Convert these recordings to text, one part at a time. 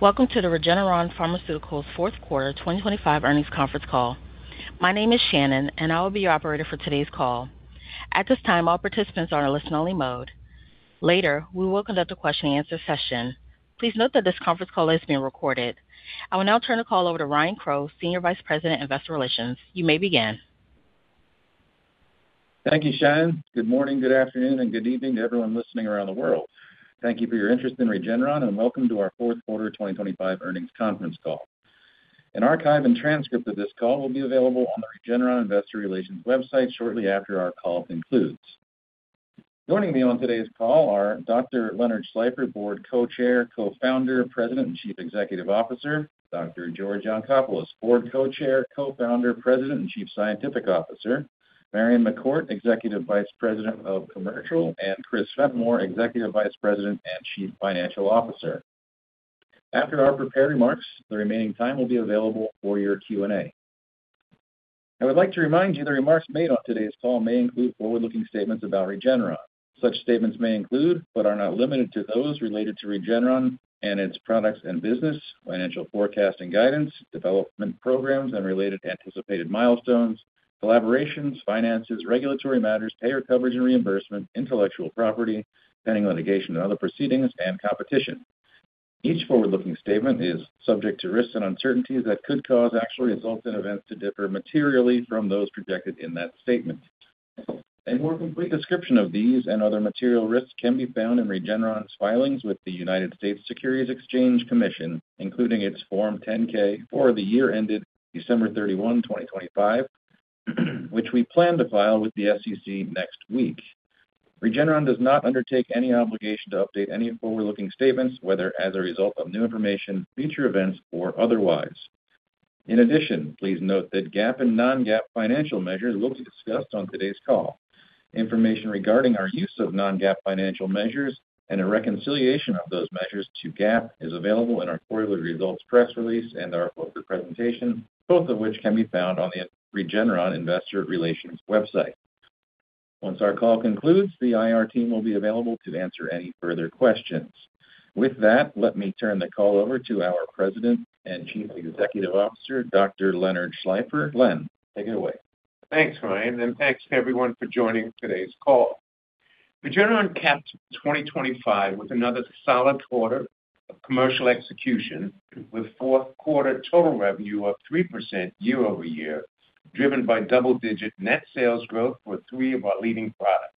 Welcome to the Regeneron Pharmaceuticals fourth quarter 2025 earnings conference call. My name is Shannon, and I will be your operator for today's call. At this time, all participants are in a listen-only mode. Later, we will conduct a question-and-answer session. Please note that this conference call is being recorded. I will now turn the call over to Ryan Crowe, Senior Vice President of Investor Relations. You may begin. Thank you, Shannon. Good morning, good afternoon, and good evening to everyone listening around the world. Thank you for your interest in Regeneron, and welcome to our fourth quarter 2025 earnings conference call. An archive and transcript of this call will be available on the Regeneron Investor Relations website shortly after our call concludes. Joining me on today's call are Dr. Leonard Schleifer, Board Co-Chair, Co-Founder, President, and Chief Executive Officer; Dr. George Yancopoulos, Board Co-Chair, Co-Founder, President, and Chief Scientific Officer; Marion McCourt, Executive Vice President of Commercial, and Christopher Fenimore, Executive Vice President and Chief Financial Officer. After our prepared remarks, the remaining time will be available for your Q&A. I would like to remind you the remarks made on today's call may include forward-looking statements about Regeneron. Such statements may include, but are not limited to, those related to Regeneron and its products and business, financial forecast and guidance, development programs, and related anticipated milestones, collaborations, finances, regulatory matters, payer coverage and reimbursement, intellectual property, pending litigation and other proceedings, and competition. Each forward-looking statement is subject to risks and uncertainties that could cause actual results and events to differ materially from those projected in that statement. A more complete description of these and other material risks can be found in Regeneron's filings with the United States Securities and Exchange Commission, including its Form 10-K for the year ended December 31, 2025, which we plan to file with the SEC next week. Regeneron does not undertake any obligation to update any forward-looking statements, whether as a result of new information, future events, or otherwise. In addition, please note that GAAP and non-GAAP financial measures will be discussed on today's call. Information regarding our use of non-GAAP financial measures and a reconciliation of those measures to GAAP is available in our quarterly results press release and our quarterly presentation, both of which can be found on the Regeneron Investor Relations website. Once our call concludes, the IR team will be available to answer any further questions. With that, let me turn the call over to our President and Chief Executive Officer, Dr. Leonard Schleifer. Len, take it away. Thanks, Ryan, and thanks to everyone for joining today's call. Regeneron capped 2025 with another solid quarter of commercial execution, with fourth quarter total revenue up 3% year-over-year, driven by double-digit net sales growth for three of our leading products.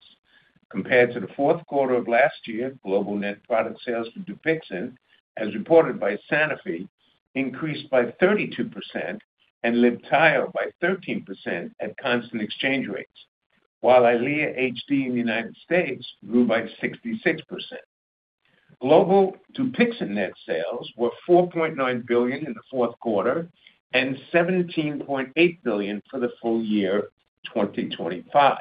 Compared to the fourth quarter of last year, global net product sales for Dupixent, as reported by Sanofi, increased by 32% and Libtayo by 13% at constant exchange rates, while EYLEA HD in the United States grew by 66%. Global Dupixent net sales were $4.9 billion in the fourth quarter and $17.8 billion for the full year 2025.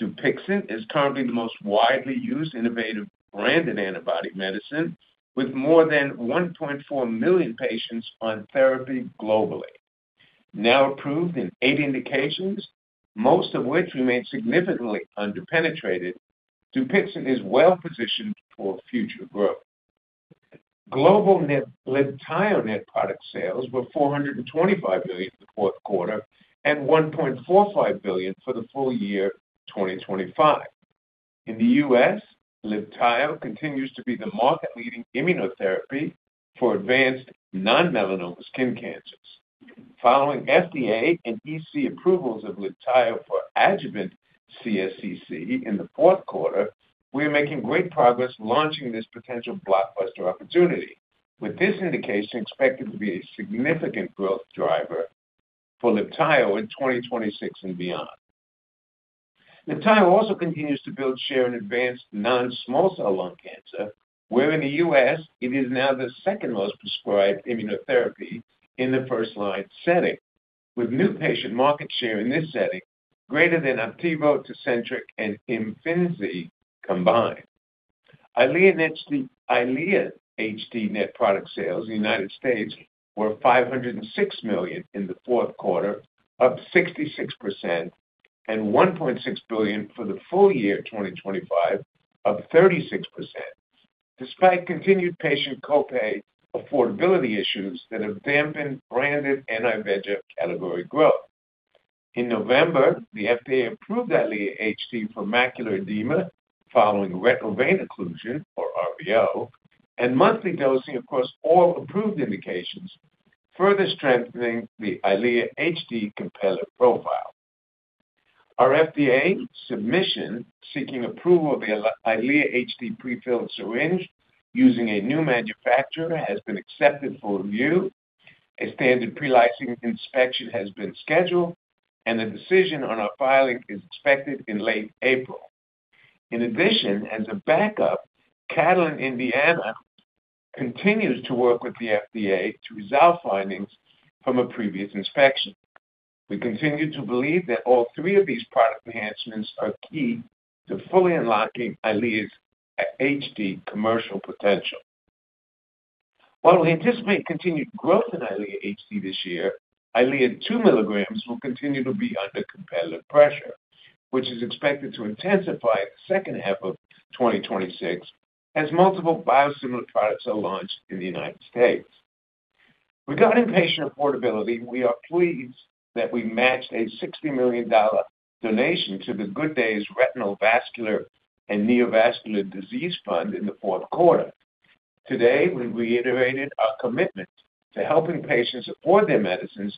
Dupixent is currently the most widely used innovative branded antibody medicine, with more than 1.4 million patients on therapy globally. Now approved in 8 indications, most of which remain significantly underpenetrated, Dupixent is well positioned for future growth. Global net Libtayo net product sales were $425 billion in the fourth quarter and $1.45 billion for the full year 2025. In the U.S., Libtayo continues to be the market-leading immunotherapy for advanced non-melanoma skin cancers. Following FDA and EC approvals of Libtayo for adjuvant CSCC in the fourth quarter, we are making great progress launching this potential blockbuster opportunity, with this indication expected to be a significant growth driver for Libtayo in 2026 and beyond. Libtayo also continues to build share in advanced non-small cell lung cancer, where in the U.S. it is now the second most prescribed immunotherapy in the first line setting, with new patient market share in this setting greater than Opdivo, Tecentriq, and Imfinzi combined. EYLEA next, EYLEA HD net product sales in the United States were $506 million in the fourth quarter, up 66%, and $1.6 billion for the full year 2025, up 36%, despite continued patient copay affordability issues that have dampened branded anti-VEGF category growth. In November, the FDA approved EYLEA HD for macular edema following retinal vein occlusion, or RVO, and monthly dosing across all approved indications, further strengthening the EYLEA HD competitive profile. Our FDA submission, seeking approval of the EYLEA HD prefilled syringe using a new manufacturer, has been accepted for review. A standard pre-licensing inspection has been scheduled, and the decision on our filing is expected in late April. In addition, as a backup, Catalent in Indiana continues to work with the FDA to resolve findings from a previous inspection. We continue to believe that all three of these product enhancements are key to fully unlocking EYLEA HD's commercial potential. While we anticipate continued growth in EYLEA HD this year, EYLEA 2 mg will continue to be under competitive pressure, which is expected to intensify in the second half of 2026, as multiple biosimilar products are launched in the United States. Regarding patient affordability, we are pleased that we matched a $60 million donation to the Good Days Retinal Vascular and Neovascular Disease Fund in the fourth quarter. Today, we reiterated our commitment to helping patients afford their medicines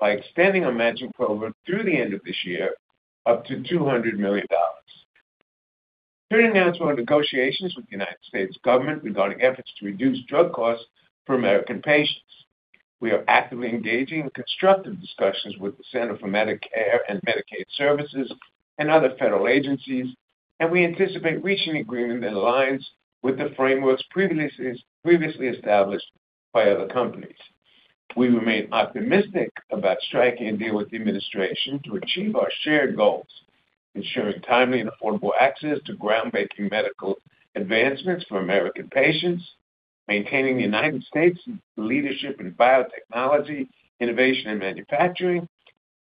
by extending our matching program through the end of this year, up to $200 million. Turning now to our negotiations with the United States government regarding efforts to reduce drug costs for American patients. We are actively engaging in constructive discussions with the Centers for Medicare & Medicaid Services and other federal agencies, and we anticipate reaching an agreement that aligns with the frameworks previously established by other companies. We remain optimistic about striking a deal with the administration to achieve our shared goals, ensuring timely and affordable access to groundbreaking medical advancements for American patients, maintaining the United States' leadership in biotechnology, innovation, and manufacturing,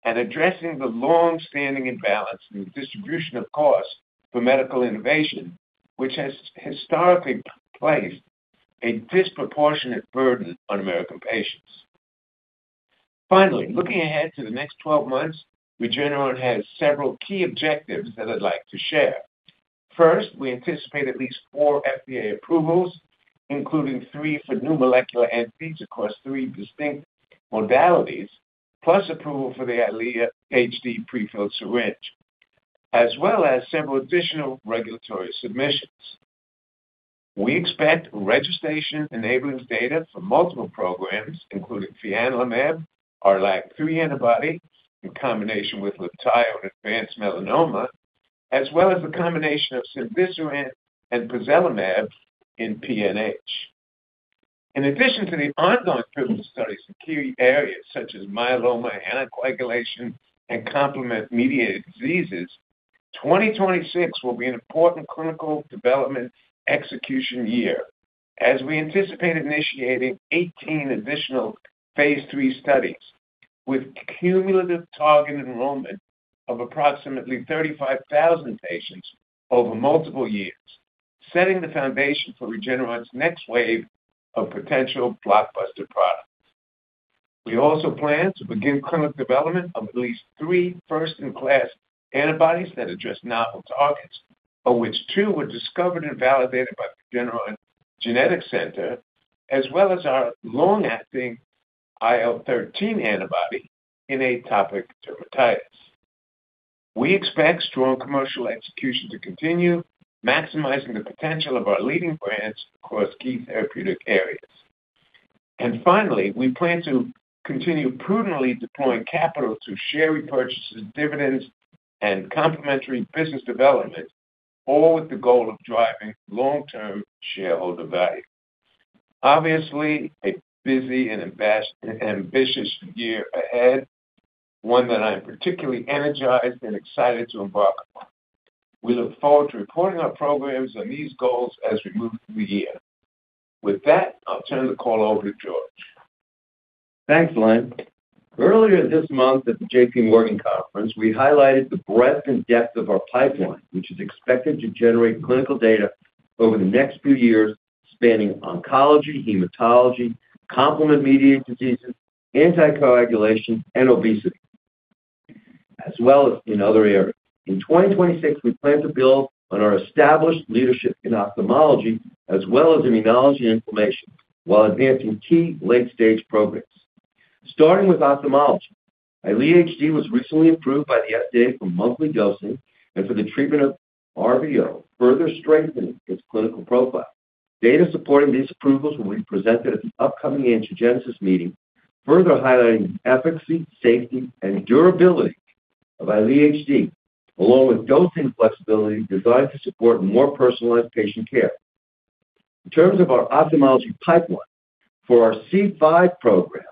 and addressing the long-standing imbalance in the distribution of costs for medical innovation, which has historically placed a disproportionate burden on American patients. Finally, looking ahead to the next 12 months, Regeneron has several key objectives that I'd like to share. First, we anticipate at least four FDA approvals, including three for new molecular entities across three distinct modalities, plus approval for the EYLEA HD prefilled syringe, as well as several additional regulatory submissions. We expect registration-enabling data for multiple programs, including fianlimab, our LAG-3 antibody, in combination with Libtayo and advanced melanoma, as well as a combination of cemdisiran and pozelimab in PNH. In addition to the ongoing clinical studies in key areas such as myeloma, anticoagulation, and complement-mediated diseases, 2026 will be an important clinical development execution year as we anticipate initiating 18 additional Phase III studies, with cumulative target enrollment of approximately 35,000 patients over multiple years, setting the foundation for Regeneron's next wave of potential blockbuster products. We also plan to begin clinical development of at least three first-in-class antibodies that address novel targets, of which two were discovered and validated by the Regeneron Genetics Center, as well as our long-acting IL-13 antibody in atopic dermatitis. We expect strong commercial execution to continue, maximizing the potential of our leading brands across key therapeutic areas. Finally, we plan to continue prudently deploying capital to share repurchases, dividends, and complementary business development, all with the goal of driving long-term shareholder value. Obviously, a busy and ambitious year ahead, one that I'm particularly energized and excited to embark upon. We look forward to reporting our programs and these goals as we move through the year. With that, I'll turn the call over to George. Thanks, Len. Earlier this month at the J.P. Morgan conference, we highlighted the breadth and depth of our pipeline, which is expected to generate clinical data over the next few years, spanning oncology, hematology, complement-mediated diseases, anticoagulation, and obesity, as well as in other areas. In 2026, we plan to build on our established leadership in ophthalmology as well as immunology and inflammation, while advancing key late-stage programs. Starting with ophthalmology, EYLEA HD was recently approved by the FDA for monthly dosing and for the treatment of RVO, further strengthening its clinical profile. Data supporting these approvals will be presented at the upcoming Angiogenesis meeting, further highlighting the efficacy, safety, and durability of EYLEA HD, along with dosing flexibility designed to support more personalized patient care. In terms of our ophthalmology pipeline, for our C5 program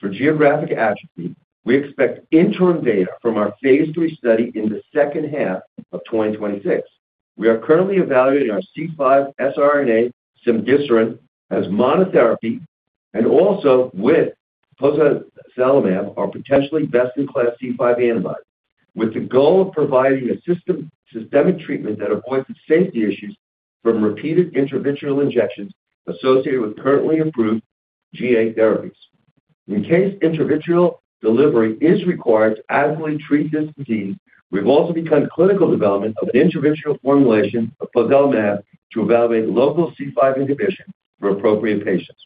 for geographic atrophy, we expect interim data from our phase III study in the second half of 2026. We are currently evaluating our C5 siRNA, cemdisiran, as monotherapy and also with pozelimab, our potentially best-in-class C5 antibody, with the goal of providing a systemic treatment that avoids the safety issues from repeated intravitreal injections associated with currently approved GA therapies. In case intravitreal delivery is required to adequately treat this disease, we've also begun clinical development of an intravitreal formulation of pozelimab to evaluate local C5 inhibition for appropriate patients.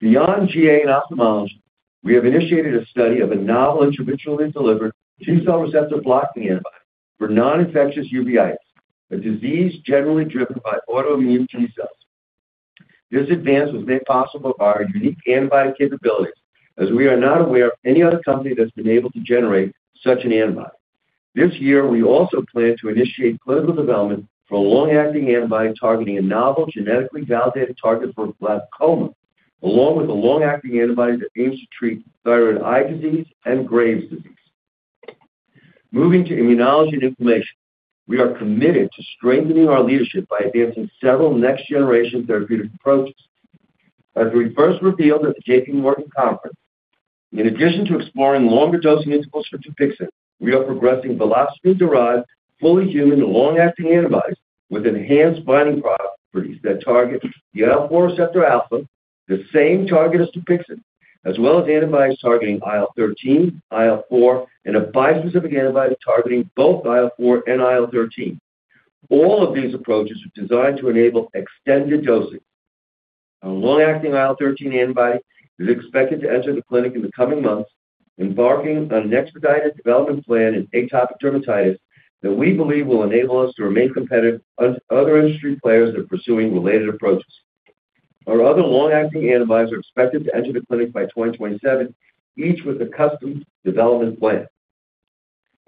Beyond GA and ophthalmology, we have initiated a study of a novel intravitreally delivered T-cell receptor-blocking antibody for non-infectious uveitis, a disease generally driven by autoimmune T-cells. This advance was made possible by our unique antibody capabilities, as we are not aware of any other company that's been able to generate such an antibody. This year, we also plan to initiate clinical development for a long-acting antibody targeting a novel genetically validated target for glaucoma, along with a long-acting antibody that aims to treat thyroid eye disease and Graves' disease. Moving to immunology and inflammation, we are committed to strengthening our leadership by advancing several next-generation therapeutic approaches. As we first revealed at the J.P. Morgan conference, in addition to exploring longer dosing intervals for Dupixent, we are progressing VelocImmune-derived, fully human, long-acting antibodies with enhanced binding properties that target the IL-4 receptor alpha, the same target as Dupixent, as well as antibodies targeting IL-13, IL-4, and a bispecific antibody targeting both IL-4 and IL-13. All of these approaches are designed to enable extended dosing. Our long-acting IL-13 antibody is expected to enter the clinic in the coming months, embarking on an expedited development plan in atopic dermatitis that we believe will enable us to remain competitive as other industry players are pursuing related approaches. Our other long-acting antibodies are expected to enter the clinic by 2027, each with a custom development plan.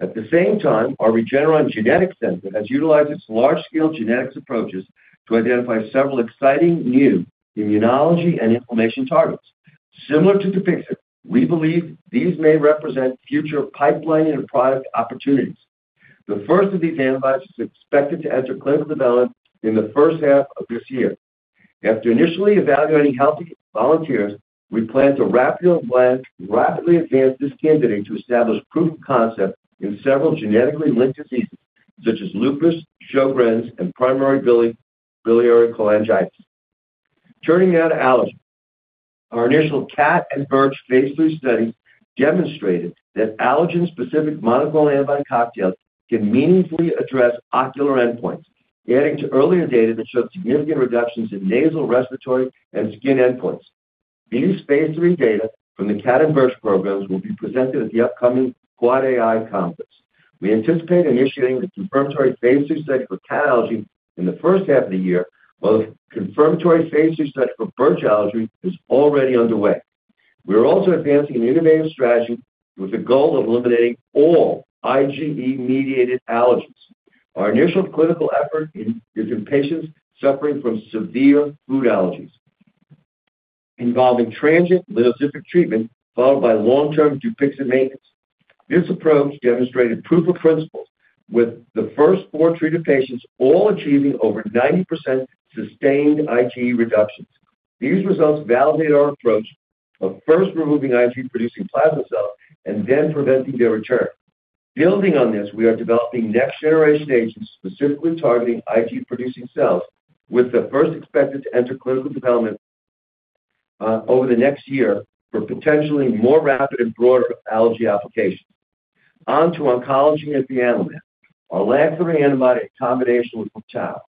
At the same time, our Regeneron Genetics Center has utilized its large-scale genetics approaches to identify several exciting new immunology and inflammation targets. Similar to Dupixent, we believe these may represent future pipeline and product opportunities. The first of these antibodies is expected to enter clinical development in the first half of this year. After initially evaluating healthy volunteers, we plan to rapidly advance this candidate to establish proof of concept in several genetically linked diseases such as lupus, Sjögren's, and primary biliary cholangitis. Turning now to allergy. Our initial cat and birch phase III study demonstrated that allergen-specific monoclonal antibody cocktails can meaningfully address ocular endpoints, adding to earlier data that showed significant reductions in nasal, respiratory, and skin endpoints. These phase III data from the cat and birch programs will be presented at the upcoming AAAAI conference. We anticipate initiating the confirmatory phase III study for cat allergy in the first half of the year, while the confirmatory phase III study for birch allergy is already underway. We are also advancing an innovative strategy with the goal of eliminating all IgE-mediated allergies. Our initial clinical effort is in patients suffering from severe food allergies, involving transient linvoseltamab treatment followed by long-term Dupixent maintenance. This approach demonstrated proof of principle, with the first four treated patients all achieving over 90% sustained IgE reductions. These results validate our approach of first removing IgE-producing plasma cells and then preventing their return. Building on this, we are developing next-generation agents specifically targeting IgE-producing cells, with the first expected to enter clinical development over the next year for potentially more rapid and broader allergy applications. On to oncology and fianlimab, our LAG-3 antibody combination with Libtayo.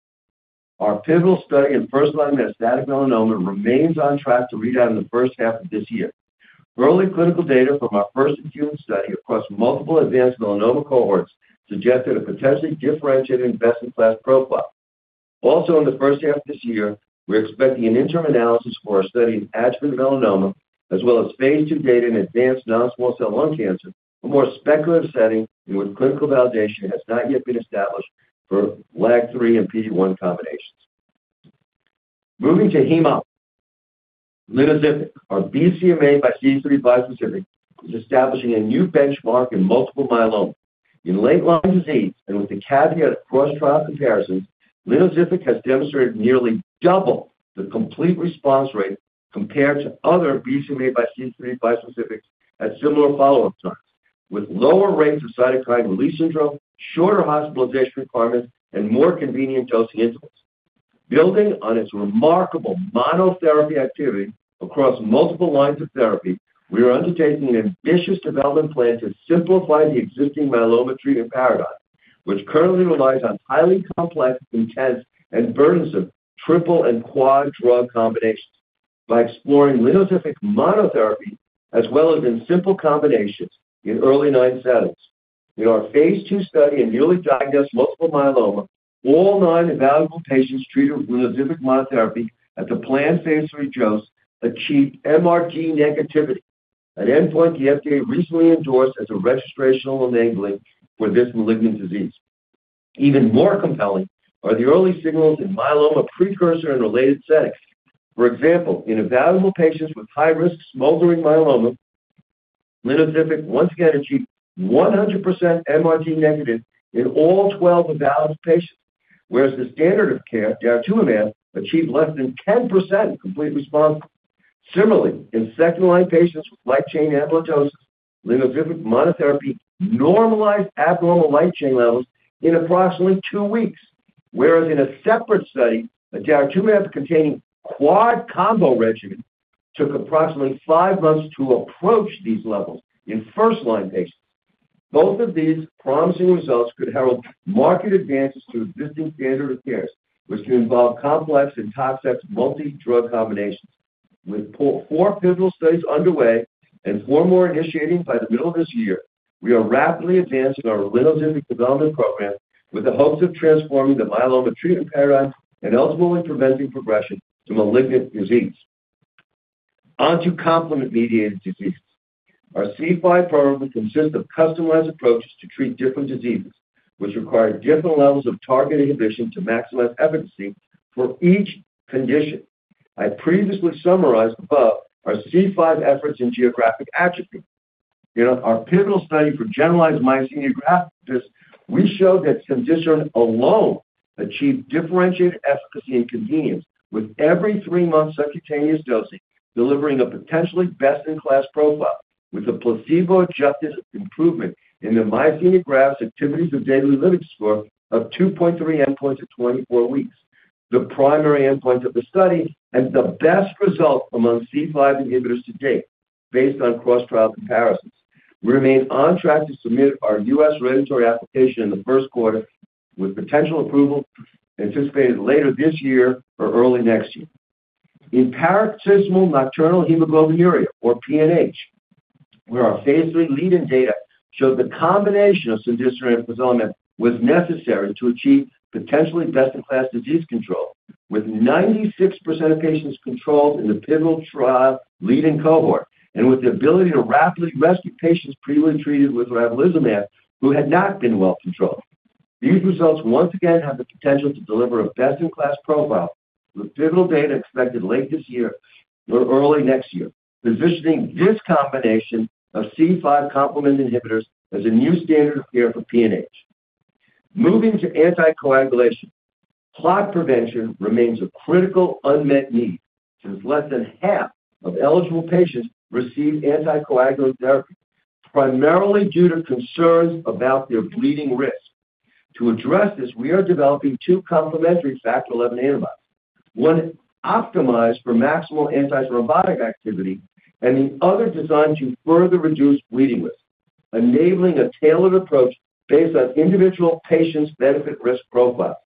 Our pivotal study in first-line metastatic melanoma remains on track to read out in the first half of this year. Early clinical data from our first in-human study across multiple advanced melanoma cohorts suggested a potentially differentiated investment class profile. Also, in the first half of this year, we're expecting an interim analysis for our study in adjuvant melanoma, as well as phase II data in advanced non-small cell lung cancer, a more speculative setting in which clinical validation has not yet been established for LAG-3 and PD-1 combinations. Moving to linvoseltamab, our BCMA x CD3 bispecific, is establishing a new benchmark in multiple myeloma. In late-line disease, and with the caveat of cross-trial comparisons, linvoseltamab has demonstrated nearly double the complete response rate compared to other BCMA x CD3 bispecifics at similar follow-up times, with lower rates of cytokine release syndrome, shorter hospitalization requirements, and more convenient dosing intervals. Building on its remarkable monotherapy activity across multiple lines of therapy, we are undertaking an ambitious development plan to simplify the existing myeloma treatment paradigm, which currently relies on highly complex, intense, and burdensome triple and quad drug combinations by exploring linvoseltamab monotherapy as well as in simple combinations in early-line settings. In our phase II study in newly diagnosed multiple myeloma, all nine evaluable patients treated with linvoseltamab monotherapy at the planned phase III dose achieved MRD negativity, an endpoint the FDA recently endorsed as a registrational enabling for this malignant disease. Even more compelling are the early signals in myeloma precursor and related settings. For example, in evaluable patients with high-risk smoldering myeloma, linvoseltamab once again achieved 100% MRD negative in all 12 evaluated patients, whereas the standard of care, daratumumab, achieved less than 10% complete response. Similarly, in second-line patients with light chain amyloidosis, linvoseltamab monotherapy normalized abnormal light chain levels in approximately two weeks, whereas in a separate study, a daratumumab-containing quad combo regimen took approximately five months to approach these levels in first-line patients. Both of these promising results could herald market advances to existing standard of care, which can involve complex and toxic multi-drug combinations. With four pivotal studies underway and four more initiating by the middle of this year, we are rapidly advancing our linvoseltamab development program with the hopes of transforming the myeloma treatment paradigm and ultimately preventing progression to malignant disease. On to complement-mediated diseases. Our C5 program consists of customized approaches to treat different diseases, which require different levels of target inhibition to maximize efficacy for each condition. I previously summarized above our C5 efforts in geographic atrophy. In our pivotal study for generalized myasthenia gravis, we showed that cemdisiran alone achieved differentiated efficacy and convenience with every 3-month subcutaneous dosing, delivering a potentially best-in-class profile with a placebo-adjusted improvement in the myasthenia gravis activities of daily living score of 2.3 points at 24 weeks, the primary endpoint of the study, and the best result among C5 inhibitors to date based on cross-trial comparisons. We remain on track to submit our U.S. regulatory application in the first quarter, with potential approval anticipated later this year or early next year. In paroxysmal nocturnal hemoglobinuria, or PNH, where our phase III lead-in data showed the combination of cemdisiran and eculizumab was necessary to achieve potentially best-in-class disease control, with 96% of patients controlled in the pivotal trial lead-in cohort, and with the ability to rapidly rescue patients previously treated with ravulizumab who had not been well controlled. These results once again have the potential to deliver a best-in-class profile, with pivotal data expected late this year or early next year, positioning this combination of C5 complement inhibitors as a new standard of care for PNH. Moving to anticoagulation, clot prevention remains a critical unmet need, since less than half of eligible patients receive anticoagulant therapy, primarily due to concerns about their bleeding risk. To address this, we are developing two complementary Factor XI antibodies, one optimized for maximal antithrombotic activity and the other designed to further reduce bleeding risk, enabling a tailored approach based on individual patients' benefit-risk profile.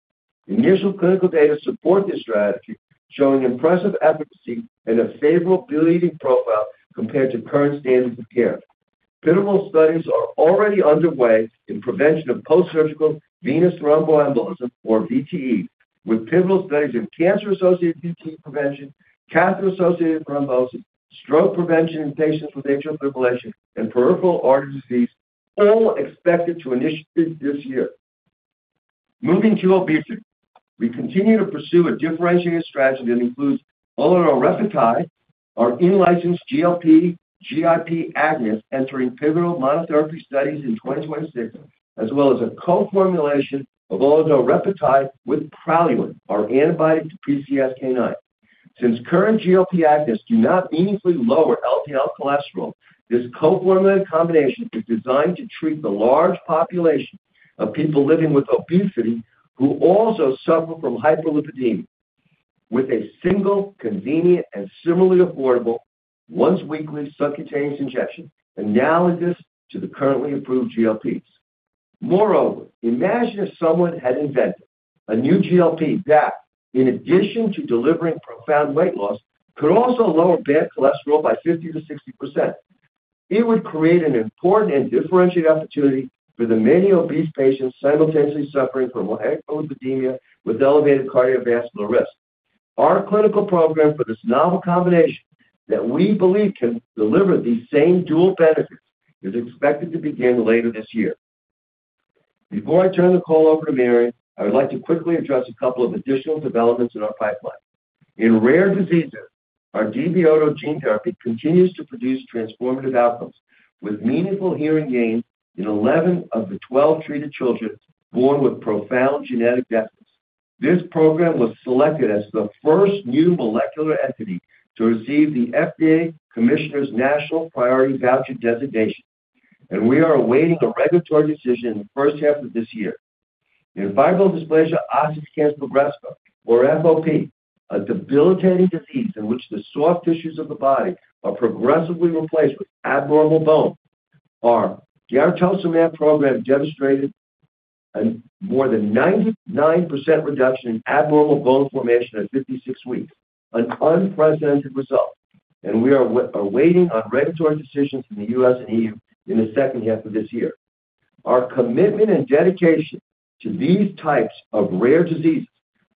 Initial clinical data support this strategy, showing impressive efficacy and a favorable bleeding profile compared to current standards of care. Pivotal studies are already underway in prevention of post-surgical venous thromboembolism, or VTE, with pivotal studies of cancer-associated VTE prevention, catheter-associated thrombosis, stroke prevention in patients with atrial fibrillation, and peripheral artery disease, all expected to initiate this year. Moving to obesity, we continue to pursue a differentiated strategy that includes olorelapide, our in-licensed GLP-GIP agonist, entering pivotal monotherapy studies in 2026, as well as a co-formulation of olorelapide with Praluent, our antibody to PCSK9. Since current GLP agonists do not meaningfully lower LDL cholesterol, this co-formulated combination is designed to treat the large population of people living with obesity who also suffer from hyperlipidemia, with a single, convenient, and similarly affordable once-weekly subcutaneous injection, analogous to the currently approved GLPs. Moreover, imagine if someone had invented a new GLP that, in addition to delivering profound weight loss, could also lower bad cholesterol by 50%-60%. It would create an important and differentiated opportunity for the many obese patients simultaneously suffering from hyperlipidemia with elevated cardiovascular risk. Our clinical program for this novel combination that we believe can deliver these same dual benefits is expected to begin later this year. Before I turn the call over to Mary, I would like to quickly address a couple of additional developments in our pipeline. In rare diseases, our DB-OTO gene therapy continues to produce transformative outcomes, with meaningful hearing gains in 11 of the 12 treated children born with profound genetic deafness. This program was selected as the first new molecular entity to receive the FDA Commissioner's National Priority Voucher Designation, and we are awaiting a regulatory decision in the first half of this year. In fibrodysplasia ossificans progressiva, or FOP, a debilitating disease in which the soft tissues of the body are progressively replaced with abnormal bone, our garetosmab program demonstrated a more than 99% reduction in abnormal bone formation at 56 weeks, an unprecedented result, and we are awaiting on regulatory decisions in the US and EU in the second half of this year. Our commitment and dedication to these types of rare diseases,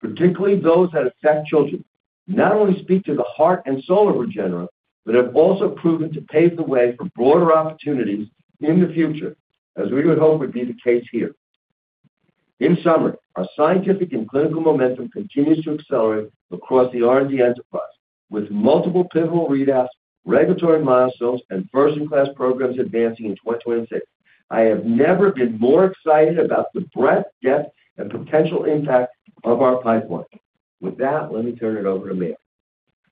particularly those that affect children, not only speak to the heart and soul of Regeneron, but have also proven to pave the way for broader opportunities in the future, as we would hope would be the case here. In summary, our scientific and clinical momentum continues to accelerate across the R&D enterprise, with multiple pivotal readouts, regulatory milestones, and first-in-class programs advancing in 2026. I have never been more excited about the breadth, depth, and potential impact of our pipeline. With that, let me turn it over to Mary.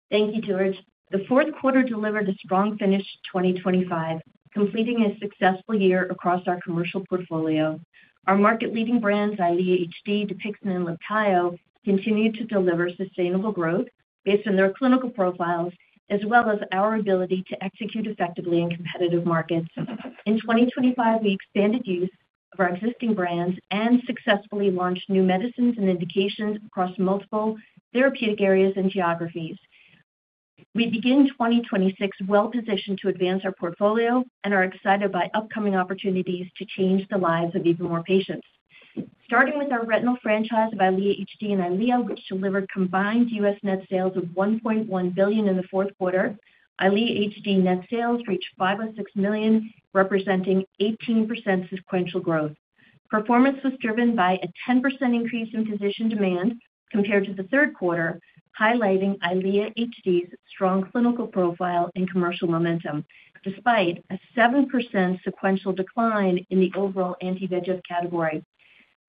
Thank you, George. The fourth quarter delivered a strong finish to 2025, completing a successful year across our commercial portfolio. Our market-leading brands, Eylea, Dupixent, and Libtayo, continued to deliver sustainable growth based on their clinical profiles, as well as our ability to execute effectively in competitive markets. In 2025, we expanded use of our existing brands and successfully launched new medicines and indications across multiple therapeutic areas and geographies. We begin 2026 well-positioned to advance our portfolio and are excited by upcoming opportunities to change the lives of even more patients. Starting with our retinal franchise of Eylea HD and Eylea, which delivered combined U.S. net sales of $1.1 billion in the fourth quarter. Eylea HD net sales reached $506 million, representing 18% sequential growth. Performance was driven by a 10% increase in physician demand compared to the third quarter, highlighting Eylea HD's strong clinical profile and commercial momentum, despite a 7% sequential decline in the overall anti-VEGF category.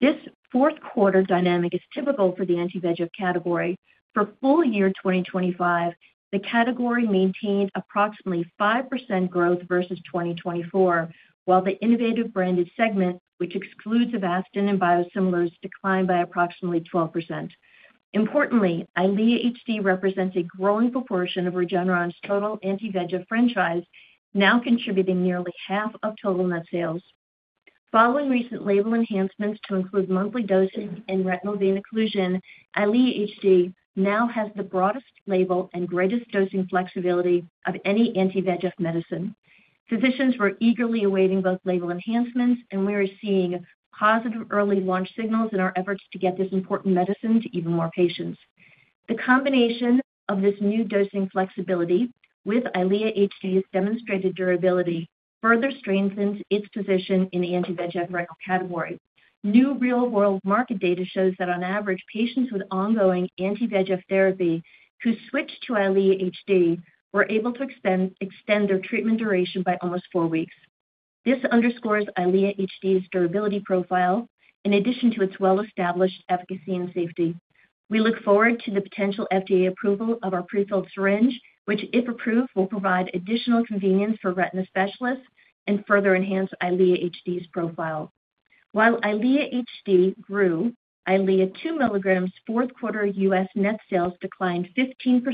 This fourth quarter dynamic is typical for the anti-VEGF category. For full year 2025, the category maintained approximately 5% growth versus 2024, while the innovative branded segment, which excludes Avastin and biosimilars, declined by approximately 12%. Importantly, Eylea HD represents a growing proportion of Regeneron's total anti-VEGF franchise, now contributing nearly half of total net sales. Following recent label enhancements to include monthly dosing and retinal vein occlusion, Eylea HD now has the broadest label and greatest dosing flexibility of any anti-VEGF medicine. Physicians were eagerly awaiting both label enhancements, and we are seeing positive early launch signals in our efforts to get this important medicine to even more patients. The combination of this new dosing flexibility with Eylea HD's demonstrated durability further strengthens its position in the anti-VEGF retinal category. New real-world market data shows that on average, patients with ongoing anti-VEGF therapy who switched to Eylea HD were able to extend their treatment duration by almost 4 weeks. This underscores Eylea HD's durability profile in addition to its well-established efficacy and safety. We look forward to the potential FDA approval of our prefilled syringe, which, if approved, will provide additional convenience for retina specialists and further enhance Eylea HD's profile. While Eylea HD grew, Eylea 2 mg fourth quarter U.S. net sales declined 15%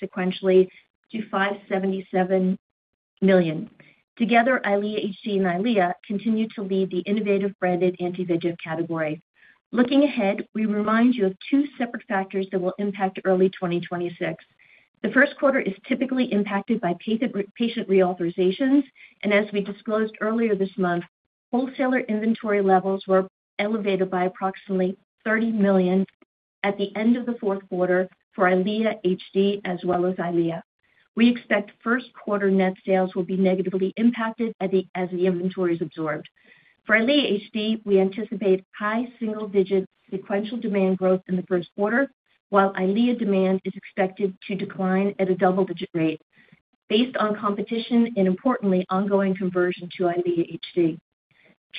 sequentially to $577 million. Together, Eylea HD and Eylea continue to lead the innovative branded anti-VEGF category. Looking ahead, we remind you of 2 separate factors that will impact early 2026. The first quarter is typically impacted by patient reauthorizations, and as we disclosed earlier this month, wholesaler inventory levels were elevated by approximately $30 million at the end of the fourth quarter for Eylea HD as well as Eylea. We expect first quarter net sales will be negatively impacted as the inventory is absorbed. For Eylea HD, we anticipate high single-digit sequential demand growth in the first quarter, while Eylea demand is expected to decline at a double-digit rate based on competition and, importantly, ongoing conversion to Eylea HD.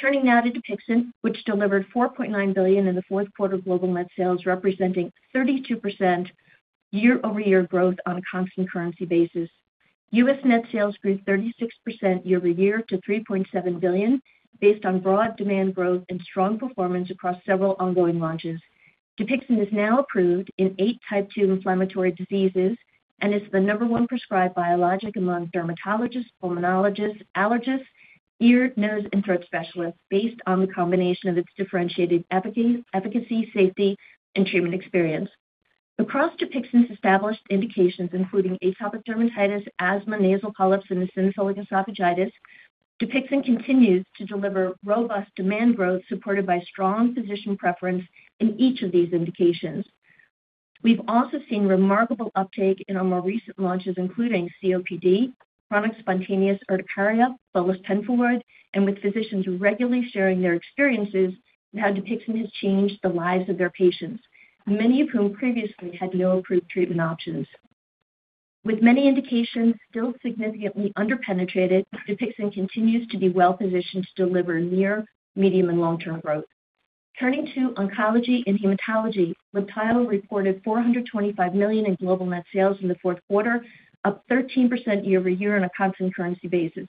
Turning now to Dupixent, which delivered $4.9 billion in the fourth quarter global net sales, representing 32% year-over-year growth on a constant currency basis. U.S. net sales grew 36% year-over-year to $3.7 billion, based on broad demand growth and strong performance across several ongoing launches. Dupixent is now approved in eight type 2 inflammatory diseases and is the number one prescribed biologic among dermatologists, pulmonologists, allergists, ear, nose, and throat specialists, based on the combination of its differentiated efficacy, safety, and treatment experience. Across Dupixent's established indications, including atopic dermatitis, asthma, nasal polyps, and eosinophilic esophagitis, Dupixent continues to deliver robust demand growth, supported by strong physician preference in each of these indications. We've also seen remarkable uptake in our more recent launches, including COPD, chronic spontaneous urticaria, as well as prurigo nodularis, and with physicians regularly sharing their experiences on how Dupixent has changed the lives of their patients, many of whom previously had no approved treatment options. With many indications still significantly underpenetrated, Dupixent continues to be well positioned to deliver near, medium, and long-term growth. Turning to oncology and hematology, Libtayo reported $425 million in global net sales in the fourth quarter, up 13% year-over-year on a constant currency basis.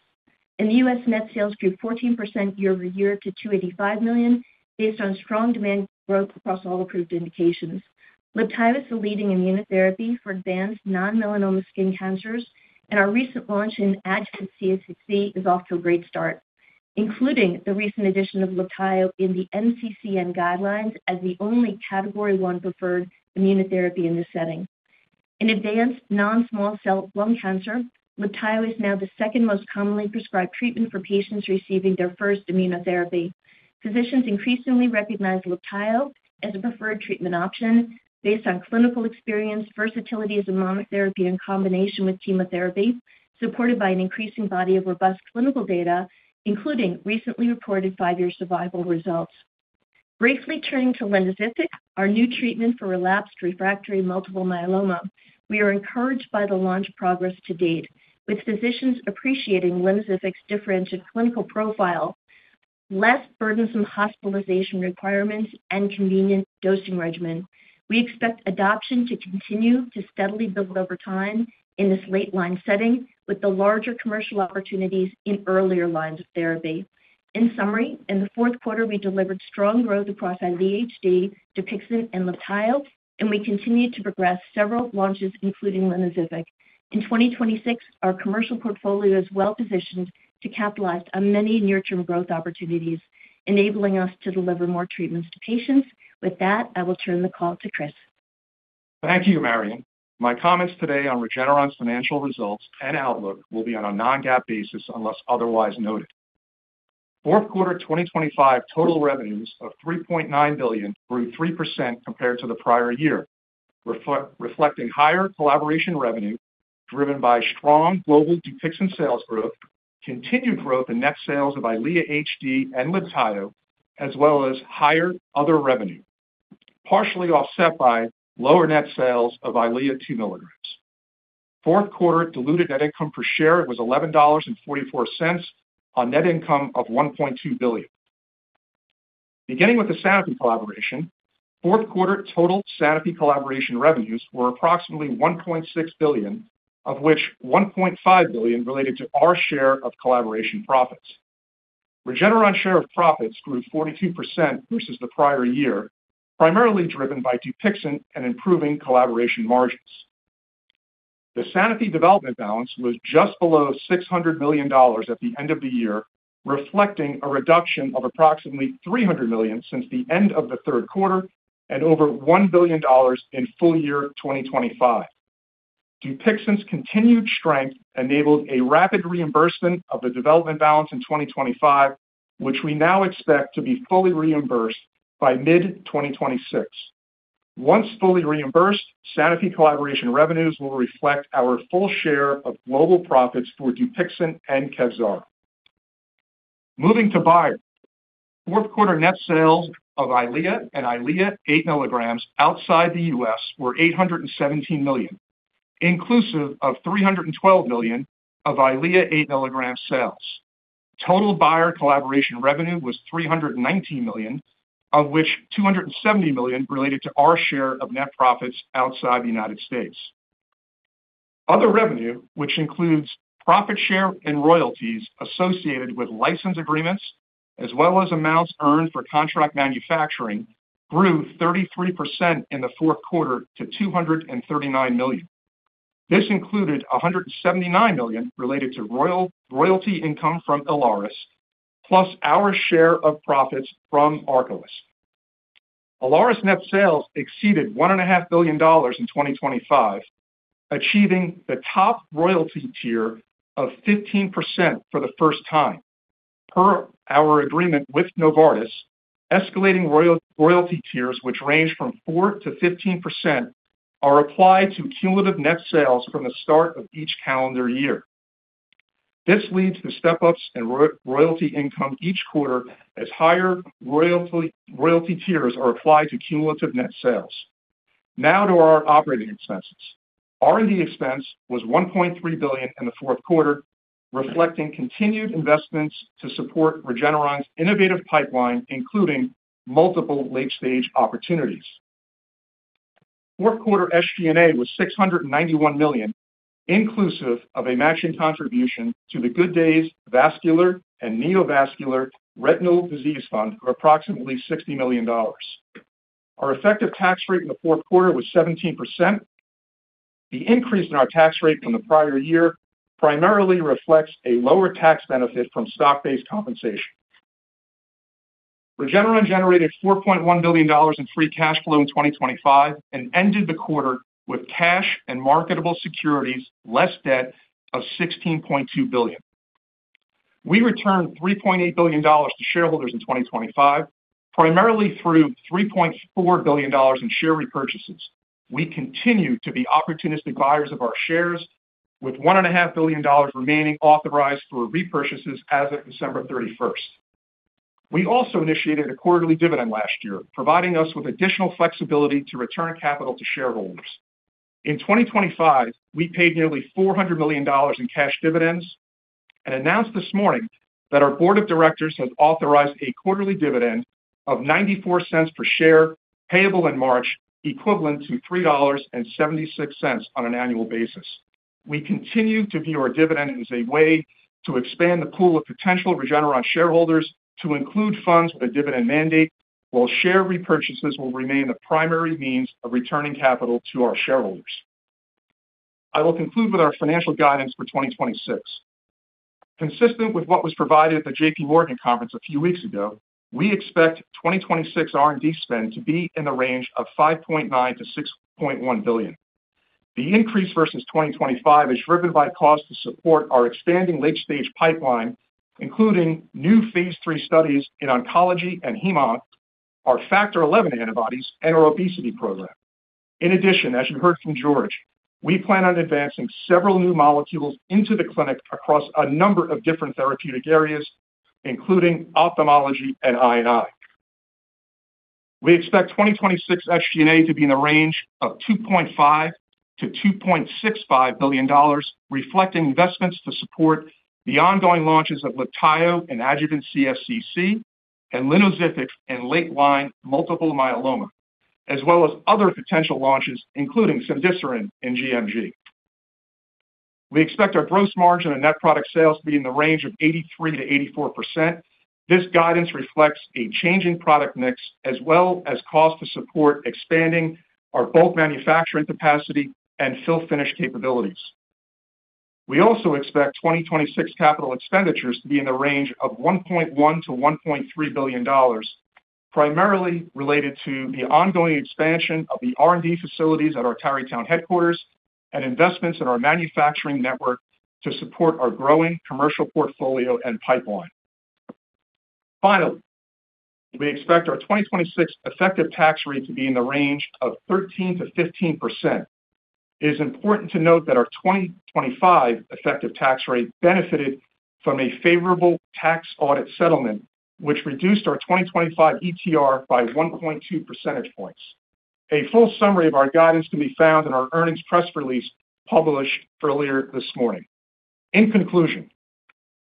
In the US, net sales grew 14% year-over-year to $285 million, based on strong demand growth across all approved indications. Libtayo is the leading immunotherapy for advanced non-melanoma skin cancers, and our recent launch in adjuvant CSCC is off to a great start, including the recent addition of Libtayo in the NCCN guidelines as the only Category One preferred immunotherapy in this setting. In advanced non-small cell lung cancer, Libtayo is now the second most commonly prescribed treatment for patients receiving their first immunotherapy. Physicians increasingly recognize Libtayo as a preferred treatment option based on clinical experience, versatility as a monotherapy in combination with chemotherapy, supported by an increasing body of robust clinical data, including recently reported five-year survival results. Briefly turning to linvoseltamab, our new treatment for relapsed refractory multiple myeloma. We are encouraged by the launch progress to date, with physicians appreciating linvoseltamab's differentiated clinical profile, less burdensome hospitalization requirements, and convenient dosing regimen. We expect adoption to continue to steadily build over time in this late-line setting, with the larger commercial opportunities in earlier lines of therapy. In summary, in the fourth quarter, we delivered strong growth across Eylea HD, Dupixent, and Libtayo, and we continued to progress several launches, including linvoseltamab. In 2026, our commercial portfolio is well positioned to capitalize on many near-term growth opportunities, enabling us to deliver more treatments to patients. With that, I will turn the call to Chris. Thank you, Marion. My comments today on Regeneron's financial results and outlook will be on a non-GAAP basis, unless otherwise noted. Fourth quarter 2025 total revenues of $3.9 billion grew 3% compared to the prior year, reflecting higher collaboration revenue, driven by strong global Dupixent sales growth, continued growth in net sales of EYLEA HD and Libtayo, as well as higher other revenue, partially offset by lower net sales of EYLEA 2 mg. Fourth quarter diluted net income per share was $11.44 on net income of $1.2 billion. Beginning with the Sanofi collaboration, fourth quarter total Sanofi collaboration revenues were approximately $1.6 billion, of which $1.5 billion related to our share of collaboration profits. Regeneron's share of profits grew 42% versus the prior year, primarily driven by Dupixent and improving collaboration margins. The Sanofi development balance was just below $600 million at the end of the year, reflecting a reduction of approximately $300 million since the end of the third quarter and over $1 billion in full year 2025. Dupixent's continued strength enabled a rapid reimbursement of the development balance in 2025, which we now expect to be fully reimbursed by mid-2026. Once fully reimbursed, Sanofi collaboration revenues will reflect our full share of global profits for Dupixent and Kevzara. Moving to Bayer. Fourth quarter net sales of EYLEA and EYLEA 8 mg outside the U.S. were $817 million, inclusive of $312 million of EYLEA 8 mg sales. Total Bayer collaboration revenue was $319 million, of which $270 million related to our share of net profits outside the United States. Other revenue, which includes profit share and royalties associated with license agreements, as well as amounts earned for contract manufacturing, grew 33% in the fourth quarter to $239 million. This included $179 million related to royalty income from Ilaris, plus our share of profits from Arcalyst. Ilaris net sales exceeded $1.5 billion in 2025, achieving the top royalty tier of 15% for the first time. Per our agreement with Novartis, escalating royalty tiers, which range from 4%-15%, are applied to cumulative net sales from the start of each calendar year. This leads to step-ups in royalty income each quarter as higher royalty tiers are applied to cumulative net sales. Now to our operating expenses. R&D expense was $1.3 billion in the fourth quarter, reflecting continued investments to support Regeneron's innovative pipeline, including multiple late-stage opportunities. Fourth quarter SG&A was $691 million, inclusive of a matching contribution to the Good Days Retinal Vascular and Neovascular Disease Fund of approximately $60 million. Our effective tax rate in the fourth quarter was 17%. The increase in our tax rate from the prior year primarily reflects a lower tax benefit from stock-based compensation. Regeneron generated $4.1 billion in free cash flow in 2025 and ended the quarter with cash and marketable securities, less debt of $16.2 billion. We returned $3.8 billion to shareholders in 2025, primarily through $3.4 billion in share repurchases. We continue to be opportunistic buyers of our shares, with $1.5 billion remaining authorized for repurchases as of December thirty-first. We also initiated a quarterly dividend last year, providing us with additional flexibility to return capital to shareholders. In 2025, we paid nearly $400 million in cash dividends and announced this morning that our board of directors has authorized a quarterly dividend of $0.94 per share, payable in March, equivalent to $3.76 on an annual basis. We continue to view our dividend as a way to expand the pool of potential Regeneron shareholders to include funds with a dividend mandate, while share repurchases will remain the primary means of returning capital to our shareholders. I will conclude with our financial guidance for 2026. Consistent with what was provided at the J.P. Morgan conference a few weeks ago, we expect 2026 R&D spend to be in the range of $5.9 billion-$6.1 billion. The increase versus 2025 is driven by costs to support our expanding late-stage pipeline, including new phase III studies in oncology and hemo, our Factor XI antibodies, and our obesity program. In addition, as you heard from George, we plan on advancing several new molecules into the clinic across a number of different therapeutic areas, including ophthalmology and immunology. We expect 2026 SG&A to be in the range of $2.5 billion-$2.65 billion, reflecting investments to support the ongoing launches of Libtayo and Adjuvant CSCC and linvoseltamab and late-line multiple myeloma, as well as other potential launches, including cemdisiran and gMG. We expect our gross margin and net product sales to be in the range of 83%-84%. This guidance reflects a changing product mix as well as cost to support expanding our bulk manufacturing capacity and fill finish capabilities. We also expect 2026 capital expenditures to be in the range of $1.1 billion-$1.3 billion, primarily related to the ongoing expansion of the R&D facilities at our Tarrytown headquarters and investments in our manufacturing network to support our growing commercial portfolio and pipeline. Finally, we expect our 2026 effective tax rate to be in the range of 13%-15%. It is important to note that our 2025 effective tax rate benefited from a favorable tax audit settlement, which reduced our 2025 ETR by 1.2 percentage points. A full summary of our guidance can be found in our earnings press release published earlier this morning. In conclusion,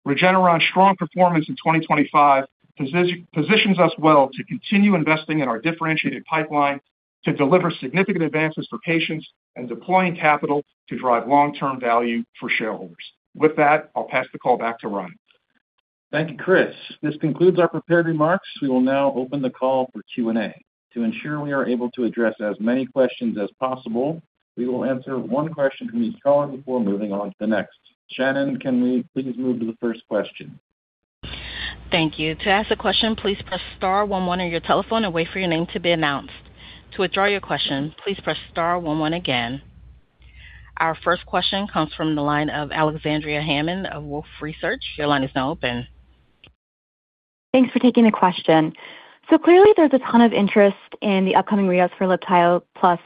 Regeneron's strong performance in 2025 positions us well to continue investing in our differentiated pipeline, to deliver significant advances for patients and deploying capital to drive long-term value for shareholders. With that, I'll pass the call back to Len. Thank you, Chris. This concludes our prepared remarks. We will now open the call for Q&A. To ensure we are able to address as many questions as possible, we will answer one question from each caller before moving on to the next. Shannon, can we please move to the first question? Thank you. To ask a question, please press star one one on your telephone and wait for your name to be announced. To withdraw your question, please press star one one again. Our first question comes from the line of Alexandria Hammond of Wolfe Research. Your line is now open. Thanks for taking the question. So clearly, there's a ton of interest in the upcoming readouts for Libtayo plus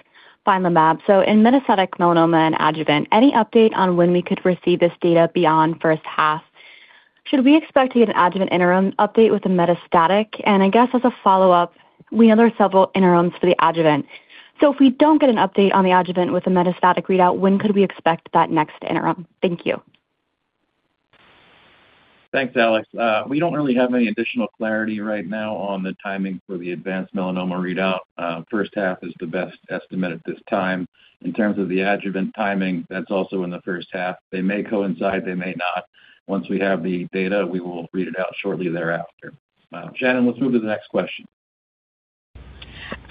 fianlimab. So in metastatic melanoma and adjuvant, any update on when we could receive this data beyond first half? Should we expect to get an adjuvant interim update with the metastatic? And I guess as a follow-up, we know there are several interims for the adjuvant. So if we don't get an update on the adjuvant with the metastatic readout, when could we expect that next interim? Thank you. Thanks, Alex. We don't really have any additional clarity right now on the timing for the advanced melanoma readout. First half is the best estimate at this time. In terms of the adjuvant timing, that's also in the first half. They may coincide, they may not. Once we have the data, we will read it out shortly thereafter. Shannon, let's move to the next question.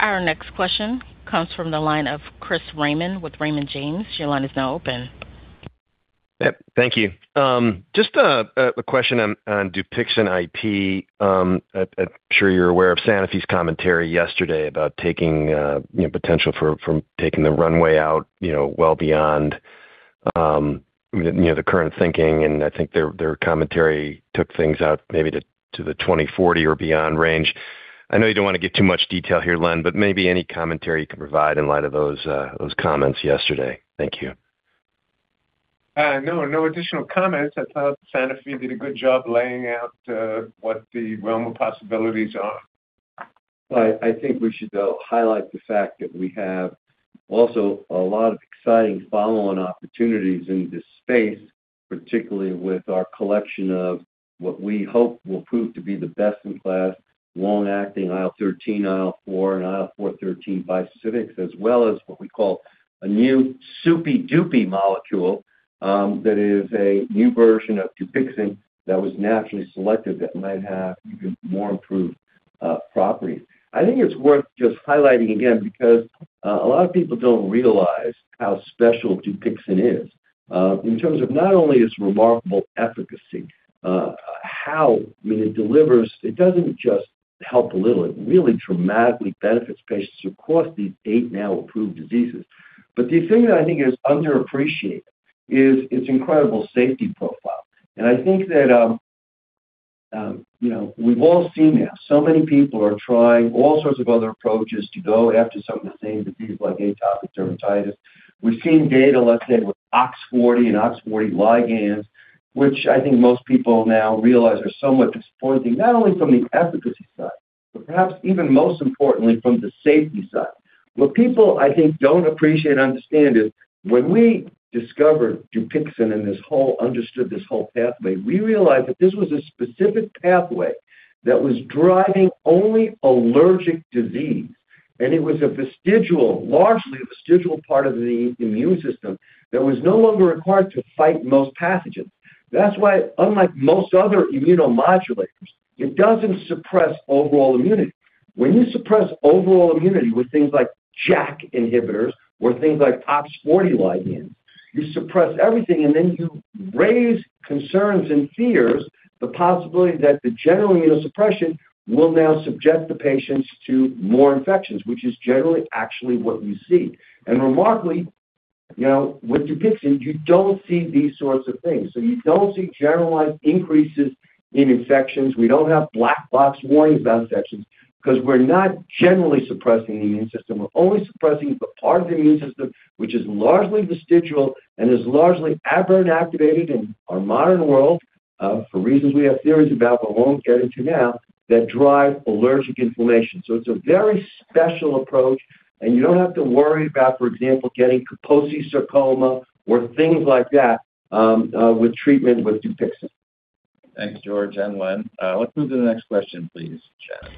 Our next question comes from the line of Chris Raymond with Raymond James. Your line is now open. Yep, thank you. Just a question on Dupixent IP. I'm sure you're aware of Sanofi's commentary yesterday about taking, you know, potential for, from taking the runway out, you know, well beyond, you know, the current thinking, and I think their commentary took things out maybe to the 2040 or beyond range. I know you don't wanna give too much detail here, Len, but maybe any commentary you can provide in light of those comments yesterday. Thank you. No, no additional comments. I thought Sanofi did a good job laying out what the realm of possibilities are. I think we should highlight the fact that we have also a lot of exciting follow-on opportunities in this space, particularly with our collection of what we hope will prove to be the best-in-class, long-acting IL-13, IL-4, and IL-4/13 bispecifics, as well as what we call a new souped-up Dupixent molecule that is a new version of Dupixent that was naturally selected that might have even more improved properties. I think it's worth just highlighting again, because a lot of people don't realize how special Dupixent is. In terms of not only its remarkable efficacy, how when it delivers, it doesn't just help a little, it really dramatically benefits patients across these eight now approved diseases. But the thing that I think is underappreciated is its incredible safety profile. And I think that, you know, we've all seen this. So many people are trying all sorts of other approaches to go after some of the same diseases like atopic dermatitis. We've seen data, let's say, with OX-40 and OX-40 ligands, which I think most people now realize are somewhat disappointing, not only from the efficacy side, but perhaps even most importantly, from the safety side. What people, I think, don't appreciate and understand is when we discovered Dupixent and understood this whole pathway, we realized that this was a specific pathway that was driving only allergic disease, and it was a vestigial, largely a vestigial part of the immune system that was no longer required to fight most pathogens. That's why, unlike most other immunomodulators, it doesn't suppress overall immunity. When you suppress overall immunity with things like JAK inhibitors or things like OX-40 ligand, you suppress everything, and then you raise concerns and fears, the possibility that the general immunosuppression will now subject the patients to more infections, which is generally actually what you see. And remarkably, you know, with Dupixent, you don't see these sorts of things. So you don't see generalized increases in infections. We don't have black box warnings about infections because we're not generally suppressing the immune system. We're only suppressing the part of the immune system, which is largely vestigial and is largely aberrant activated in our modern world, for reasons we have theories about, but won't get into now, that drive allergic inflammation. So it's a very special approach, and you don't have to worry about, for example, getting Kaposi sarcoma or things like that, with treatment with Dupixent. Thanks, George and Len. Let's move to the next question, please, Shannon.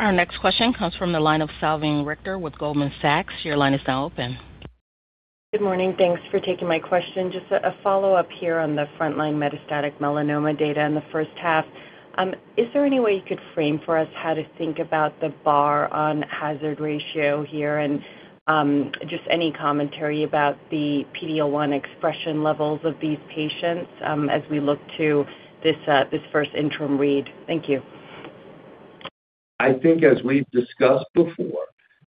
Our next question comes from the line of Salveen Richter with Goldman Sachs. Your line is now open. Good morning. Thanks for taking my question. Just a follow-up here on the frontline metastatic melanoma data in the first half. Is there any way you could frame for us how to think about the bar on hazard ratio here? And just any commentary about the PD-L1 expression levels of these patients as we look to this first interim read? Thank you. I think as we've discussed before,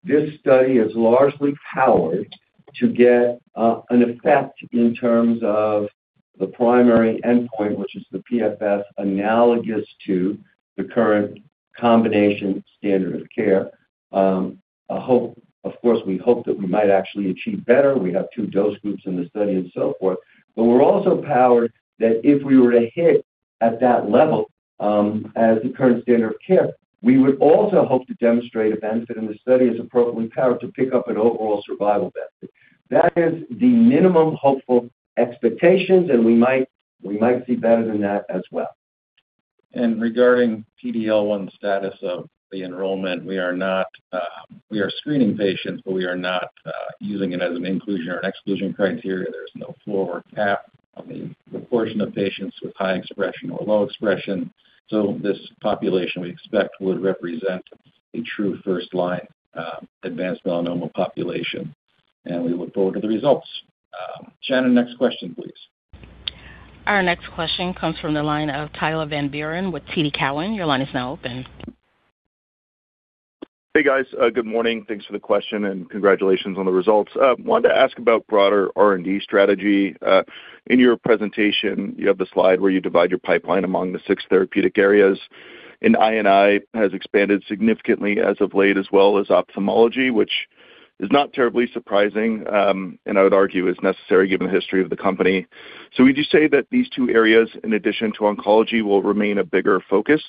this study is largely powered to get an effect in terms of the primary endpoint, which is the PFS, analogous to the current combination standard of care. Of course, we hope that we might actually achieve better. We have 2 dose groups in the study and so forth. But we're also powered that if we were to hit at that level, as the current standard of care, we would also hope to demonstrate a benefit, and the study is appropriately powered to pick up an overall survival benefit. That is the minimum hopeful expectations, and we might, we might see better than that as well. Regarding PD-L1 status of the enrollment, we are not, we are screening patients, but we are not, using it as an inclusion or exclusion criteria. There's no floor or cap on the proportion of patients with high expression or low expression. So this population, we expect, would represent a true first-line advanced melanoma population, and we look forward to the results. Shannon, next question, please. Our next question comes from the line of Tyler Van Buren with TD Cowen. Your line is now open. Hey, guys. Good morning. Thanks for the question, and congratulations on the results. Wanted to ask about broader R&D strategy. In your presentation, you have the slide where you divide your pipeline among the six therapeutic areas, and I&I has expanded significantly as of late, as well as ophthalmology, which is not terribly surprising, and I would argue is necessary given the history of the company. So would you say that these two areas, in addition to oncology, will remain a bigger focus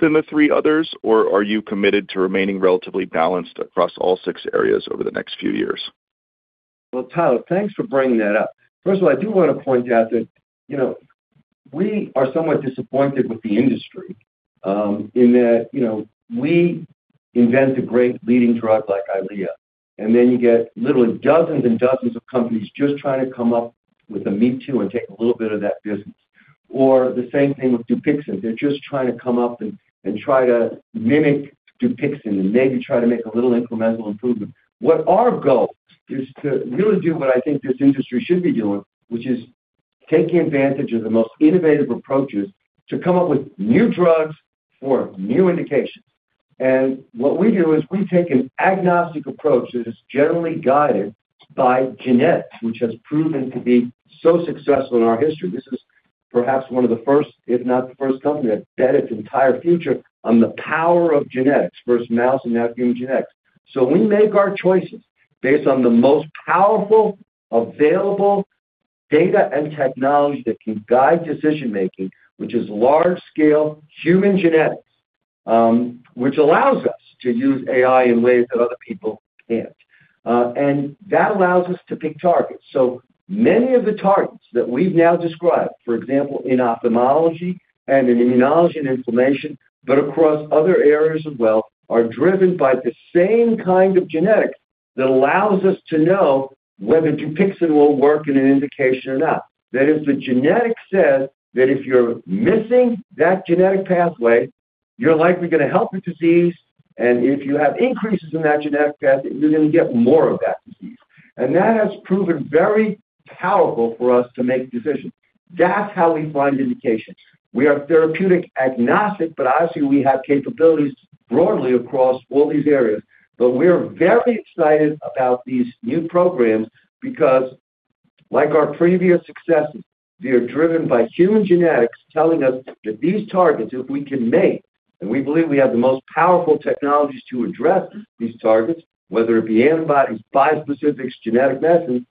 than the three others? Or are you committed to remaining relatively balanced across all six areas over the next few years? Well, Tyler, thanks for bringing that up. First of all, I do want to point out that, you know, we are somewhat disappointed with the industry, in that, you know, we invent a great leading drug like EYLEA, and then you get literally dozens and dozens of companies just trying to come up with a me-too and take a little bit of that business. Or the same thing with Dupixent. They're just trying to come up and, and try to mimic Dupixent and maybe try to make a little incremental improvement. What our goal is to really do what I think this industry should be doing, which is taking advantage of the most innovative approaches to come up with new drugs for new indications. What we do is we take an agnostic approach that is generally guided by genetics, which has proven to be so successful in our history. This is perhaps one of the first, if not the first company, that bet its entire future on the power of genetics, first mouse and now human genetics. We make our choices based on the most powerful available data and technology that can guide decision-making, which is large-scale human genetics, which allows us to use AI in ways that other people can't. And that allows us to pick targets. Many of the targets that we've now described, for example, in ophthalmology and in immunology and inflammation, but across other areas as well, are driven by the same kind of genetics that allows us to know whether Dupixent will work in an indication or not. That if the genetic says that if you're missing that genetic pathway, you're likely going to help the disease, and if you have increases in that genetic pathway, you're going to get more of that disease. That has proven very powerful for us to make decisions. That's how we find indications. We are therapeutic agnostic, but obviously, we have capabilities broadly across all these areas. But we're very excited about these new programs because, like our previous successes, they are driven by human genetics telling us that these targets, if we can make, and we believe we have the most powerful technologies to address these targets, whether it be antibodies, bispecifics, genetic medicines,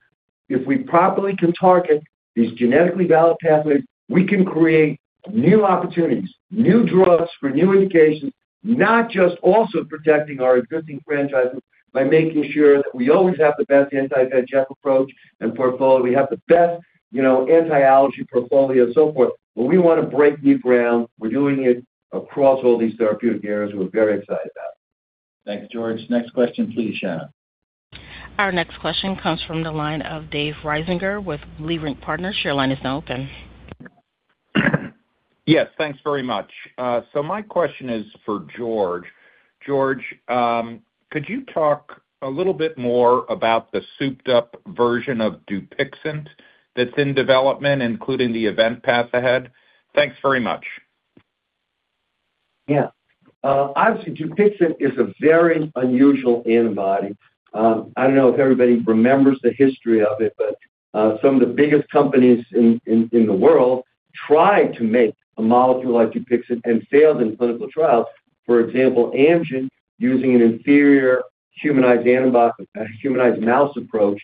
if we properly can target these genetically valid pathways, we can create new opportunities, new drugs for new indications, not just also protecting our existing franchises by making sure that we always have the best anti-TGF approach and portfolio. We have the best, you know, anti-allergy portfolio and so forth, but we want to break new ground. We're doing it across all these therapeutic areas. We're very excited about it. Thanks, George. Next question, please, Shannon. Our next question comes from the line of David Risinger with Leerink Partners. Your line is now open. Yes, thanks very much. So my question is for George. George, could you talk a little bit more about the souped-up version of Dupixent that's in development, including the event path ahead? Thanks very much. Yeah. Obviously, Dupixent is a very unusual antibody. I don't know if everybody remembers the history of it, but some of the biggest companies in the world tried to make a molecule like Dupixent and failed in clinical trials. For example, Amgen, using an inferior humanized antibody, humanized mouse approach,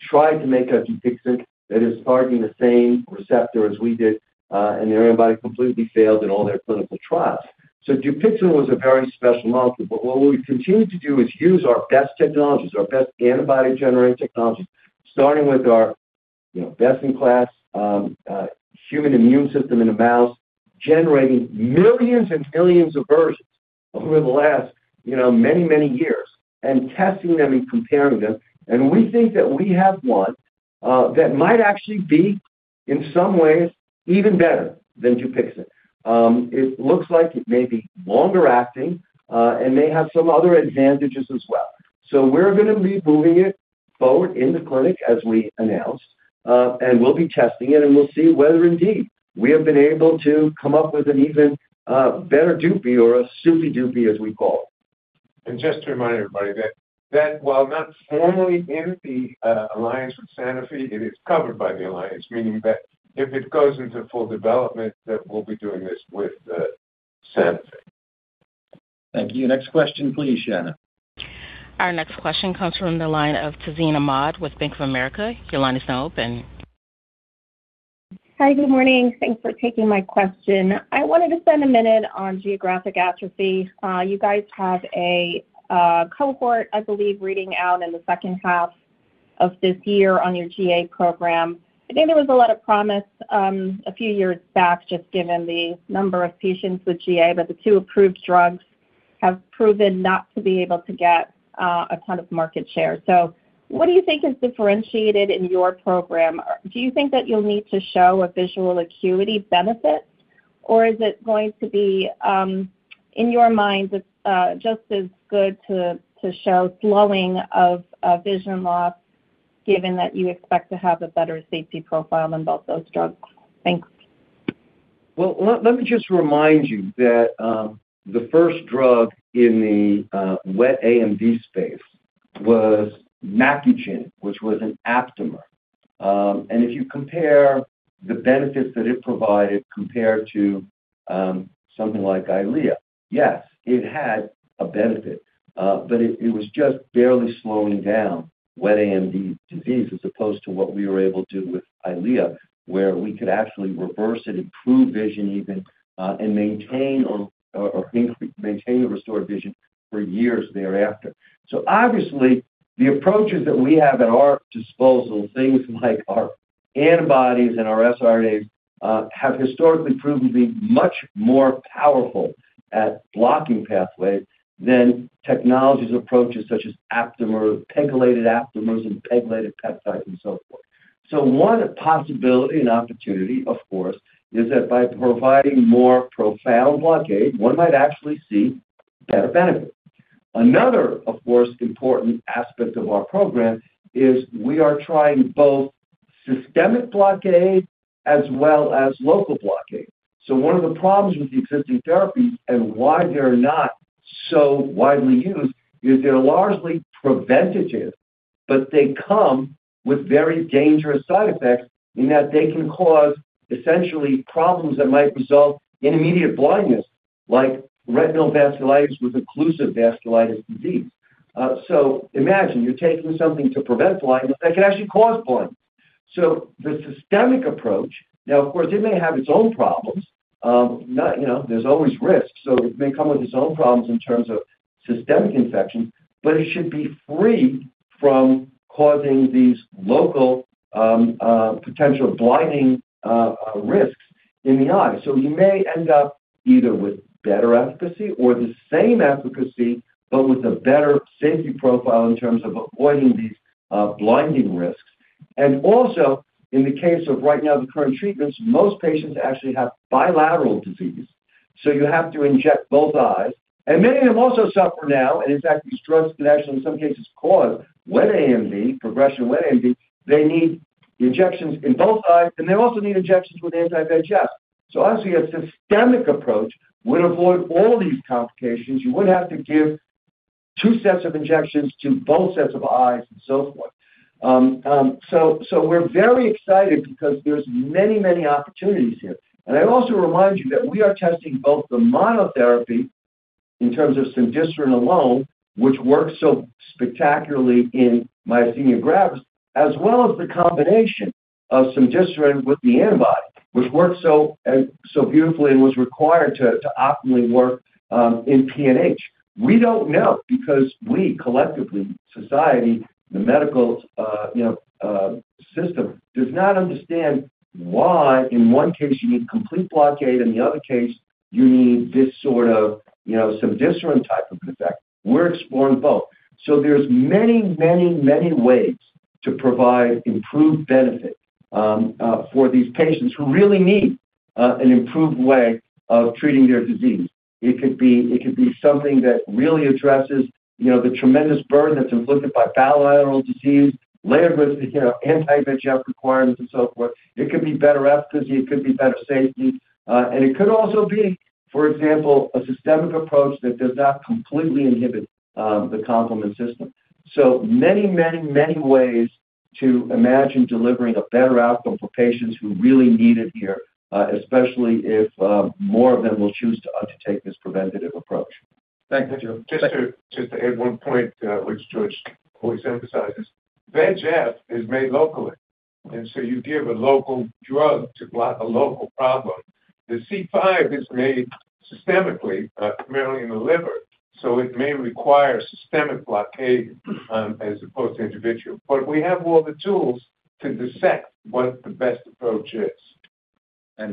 tried to make a Dupixent that is targeting the same receptor as we did, and their antibody completely failed in all their clinical trials. So Dupixent was a very special molecule. But what we've continued to do is use our best technologies, our best antibody-generating technologies, starting with our best in class, you know, human immune system in a mouse, generating millions and millions of versions over the last, you know, many, many years, and testing them and comparing them. And we think that we have one, that might actually be, in some ways, even better than Dupixent. It looks like it may be longer acting, and may have some other advantages as well. So we're going to be moving it forward in the clinic, as we announced, and we'll be testing it, and we'll see whether indeed, we have been able to come up with an even, better Dupi or a supi-dupi, as we call it. Just to remind everybody that while not formally in the alliance with Sanofi, it is covered by the alliance, meaning that if it goes into full development, we'll be doing this with Sanofi. Thank you. Next question, please, Shannon. Our next question comes from the line of Tazeen Ahmad with Bank of America. Your line is now open. Hi, good morning. Thanks for taking my question. I wanted to spend a minute on geographic atrophy. You guys have a cohort, I believe, reading out in the second half of this year on your GA program. I think there was a lot of promise a few years back, just given the number of patients with GA, but the two approved drugs have proven not to be able to get a ton of market share. So what do you think is differentiated in your program? Do you think that you'll need to show a visual acuity benefit, or is it going to be, in your mind, just as good to show slowing of vision loss, given that you expect to have a better safety profile than both those drugs? Thanks. Well, let me just remind you that the first drug in the wet AMD space was Macugen, which was an aptamer. And if you compare the benefits that it provided compared to something like Eylea, yes, it had a benefit, but it was just barely slowing down wet AMD disease, as opposed to what we were able to do with Eylea, where we could actually reverse and improve vision even, and maintain or increase - maintain or restore vision for years thereafter. So obviously, the approaches that we have at our disposal, things like our antibodies and our siRNAs, have historically proven to be much more powerful at blocking pathways than technologies approaches such as aptamer, pegylated aptamers, and pegylated peptides, and so forth. So one possibility and opportunity, of course, is that by providing more profound blockade, one might actually see better benefit. Another, of course, important aspect of our program is we are trying both systemic blockade as well as local blockade. So one of the problems with the existing therapies and why they're not so widely used, is they're largely preventative, but they come with very dangerous side effects in that they can cause essentially problems that might result in immediate blindness, like retinal vasculitis with occlusive vasculitis disease. So imagine you're taking something to prevent blindness that can actually cause blindness. So the systemic approach. Now, of course, it may have its own problems. Not, you know, there's always risks, so it may come with its own problems in terms of systemic infection, but it should be free from causing these local, potential blinding, risks in the eye. So we may end up either with better efficacy or the same efficacy, but with a better safety profile in terms of avoiding these, blinding risks. And also, in the case of right now, the current treatments, most patients actually have bilateral disease, so you have to inject both eyes. And many of them also suffer now, and in fact, these drugs can actually, in some cases, cause wet AMD, progression of wet AMD. They need the injections in both eyes, and they also need injections with anti-VEGF. So honestly, a systemic approach would avoid all these complications. You wouldn't have to give two sets of injections to both sets of eyes and so forth. So, so we're very excited because there's many, many opportunities here. And I'd also remind you that we are testing both the monotherapy, in terms of cemdisiran alone, which works so spectacularly in myasthenia gravis, as well as the combination of cemdisiran with the antibody, which works so, so beautifully and was required to optimally work, in PNH. We don't know, because we collectively, society, the medical, you know, system, does not understand why in one case you need complete blockade, in the other case, you need this sort of, you know, cemdisiran type of effect. We're exploring both. So there's many, many, many ways to provide improved benefit, for these patients who really need an improved way of treating their disease. It could be, it could be something that really addresses, you know, the tremendous burden that's inflicted by bilateral disease, layered with, you know, anti-VEGF requirements and so forth. It could be better efficacy, it could be better safety, and it could also be, for example, a systemic approach that does not completely inhibit the complement system. So many, many, many ways to imagine delivering a better outcome for patients who really need it here, especially if more of them will choose to take this preventative approach. Thank you. Just to add one point, which George always emphasizes, VEGF is made locally, and so you give a local drug to block a local problem. The C5 is made systemically, primarily in the liver, so it may require systemic blockade, as opposed to intravitreal. But we have all the tools to dissect what the best approach is.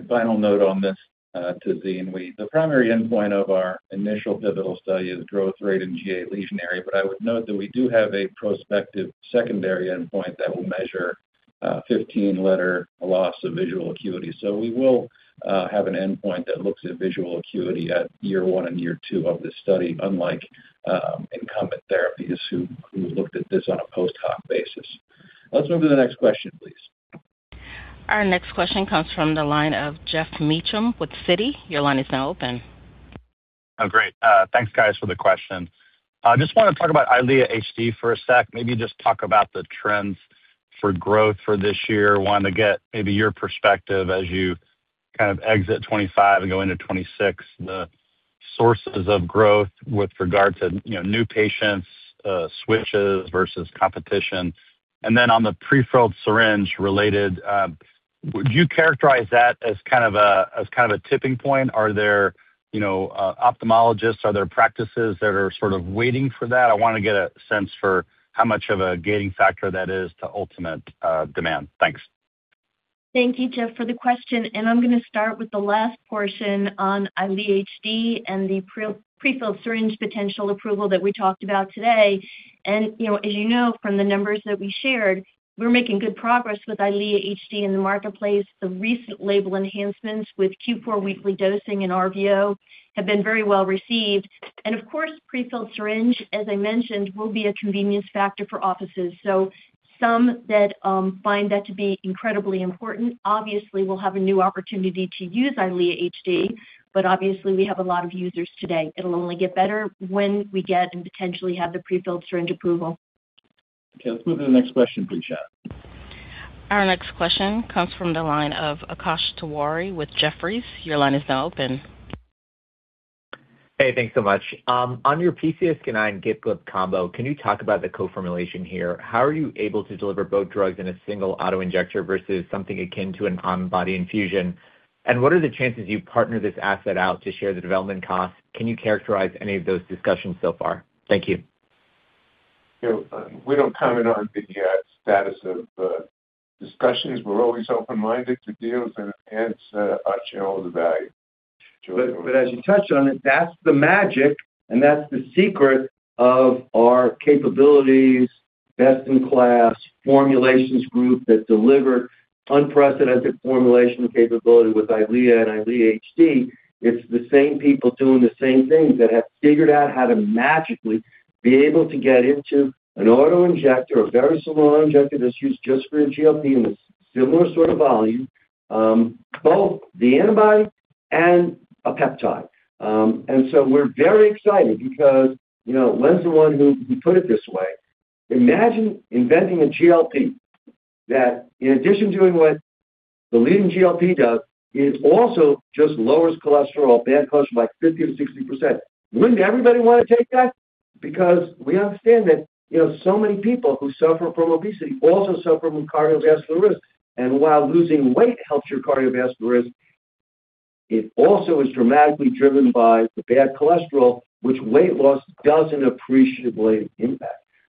Final note on this, Tazeen. The primary endpoint of our initial pivotal study is growth rate in GA lesion area, but I would note that we do have a prospective secondary endpoint that will measure 15-letter loss of visual acuity. So we will have an endpoint that looks at visual acuity at year one and year two of this study, unlike incumbent therapies who looked at this on a post-hoc basis. Let's move to the next question, please. Our next question comes from the line of Geoff Meacham with Citi. Your line is now open. Oh, great. Thanks, guys, for the question. I just wanna talk about EYLEA HD for a sec. Maybe just talk about the trends for growth for this year. Wanted to get maybe your perspective as you kind of exit 2025 and go into 2026, the sources of growth with regard to, you know, new patients, switches versus competition. And then on the prefilled syringe related, would you characterize that as kind of a tipping point? Are there, you know, ophthalmologists, are there practices that are sort of waiting for that? I wanna get a sense for how much of a gating factor that is to ultimate demand. Thanks. Thank you, Geoff, for the question, and I'm gonna start with the last portion on EYLEA HD and the prefilled syringe potential approval that we talked about today. And, you know, as you know, from the numbers that we shared, we're making good progress with EYLEA HD in the marketplace. The recent label enhancements with Q4 weekly dosing and RVO have been very well received. And of course, prefilled syringe, as I mentioned, will be a convenience factor for offices. So some that, find that to be incredibly important, obviously, will have a new opportunity to use EYLEA HD, but obviously, we have a lot of users today. It'll only get better when we get and potentially have the prefilled syringe approval. Okay, let's move to the next question, please, Shannon. Our next question comes from the line of Akash Tewari with Jefferies. Your line is now open. Hey, thanks so much. On your PCSK9 GIP/GLP combo, can you talk about the co-formulation here? How are you able to deliver both drugs in a single auto-injector versus something akin to an on-body infusion? And what are the chances you partner this asset out to share the development costs? Can you characterize any of those discussions so far? Thank you. You know, we don't comment on the status of discussions. We're always open-minded to deals that enhance our shareholder value. But as you touched on it, that's the magic, and that's the secret of our capabilities, best-in-class formulations group that deliver unprecedented formulation capability with EYLEA and EYLEA HD. It's the same people doing the same things that have figured out how to magically be able to get into an auto-injector, a very small injector that's used just for a GLP and a similar sort of volume, both the antibody and a peptide. And so we're very excited because, you know, Len's the one who, he put it this way: Imagine inventing a GLP, that in addition to doing what the leading GLP does, it also just lowers cholesterol, bad cholesterol, by 50%-60%. Wouldn't everybody wanna take that? Because we understand that, you know, so many people who suffer from obesity also suffer from cardiovascular risk. While losing weight helps your cardiovascular risk, it also is dramatically driven by the bad cholesterol, which weight loss doesn't appreciably impact.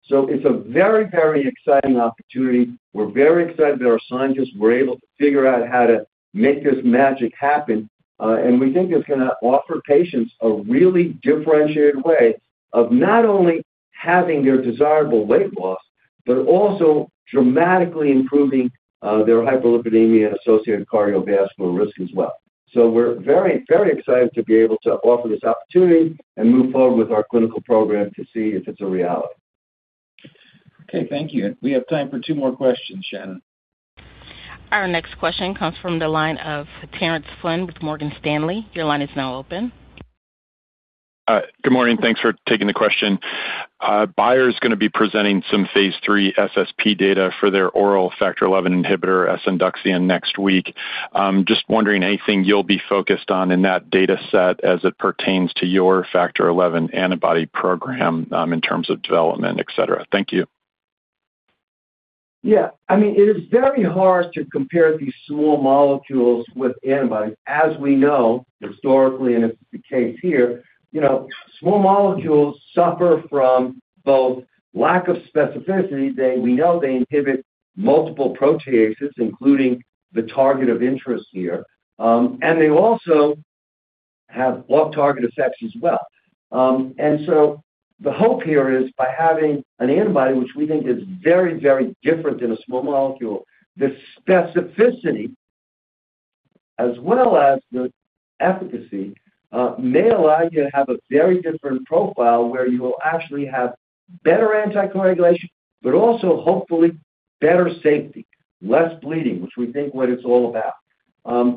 It's a very, very exciting opportunity. We're very excited that our scientists were able to figure out how to make this magic happen, and we think it's gonna offer patients a really differentiated way of not only having their desirable weight loss, but also dramatically improving their hyperlipidemia and associated cardiovascular risk as well. We're very, very excited to be able to offer this opportunity and move forward with our clinical program to see if it's a reality. Okay, thank you. We have time for two more questions, Shannon. Our next question comes from the line of Terence Flynn with Morgan Stanley. Your line is now open. Good morning. Thanks for taking the question. Bayer's gonna be presenting some Phase III SSP data for their oral Factor XI inhibitor, asundexian, next week. Just wondering, anything you'll be focused on in that data set as it pertains to your Factor XI antibody program, in terms of development, et cetera? Thank you. Yeah. I mean, it is very hard to compare these small molecules with antibodies. As we know, historically, and it's the case here, you know, small molecules suffer from both lack of specificity. They we know they inhibit multiple proteases, including the target of interest here. And they also have off-target effects as well. And so the hope here is by having an antibody, which we think is very, very different than a small molecule, the specificity as well as the efficacy may allow you to have a very different profile, where you will actually have better anticoagulation, but also hopefully better safety, less bleeding, which we think what it's all about.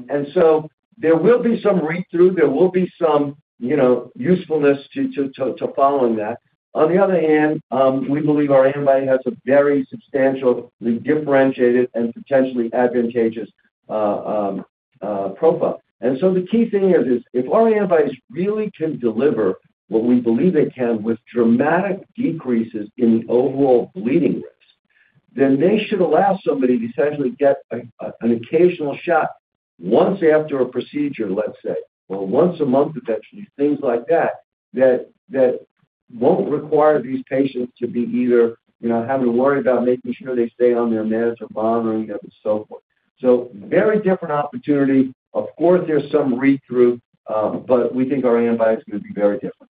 And so there will be some read-through. There will be some, you know, usefulness to following that. On the other hand, we believe our antibody has a very substantially differentiated and potentially advantageous profile. And so the key thing is if our antibodies really can deliver what we believe they can with dramatic decreases in the overall bleeding risk- Then they should allow somebody to essentially get an occasional shot once after a procedure, let's say, or once a month, potentially, things like that, that won't require these patients to be either, you know, having to worry about making sure they stay on their meds or bothering them, and so forth. So very different opportunity. Of course, there's some read-through, but we think our antibody is going to be very different.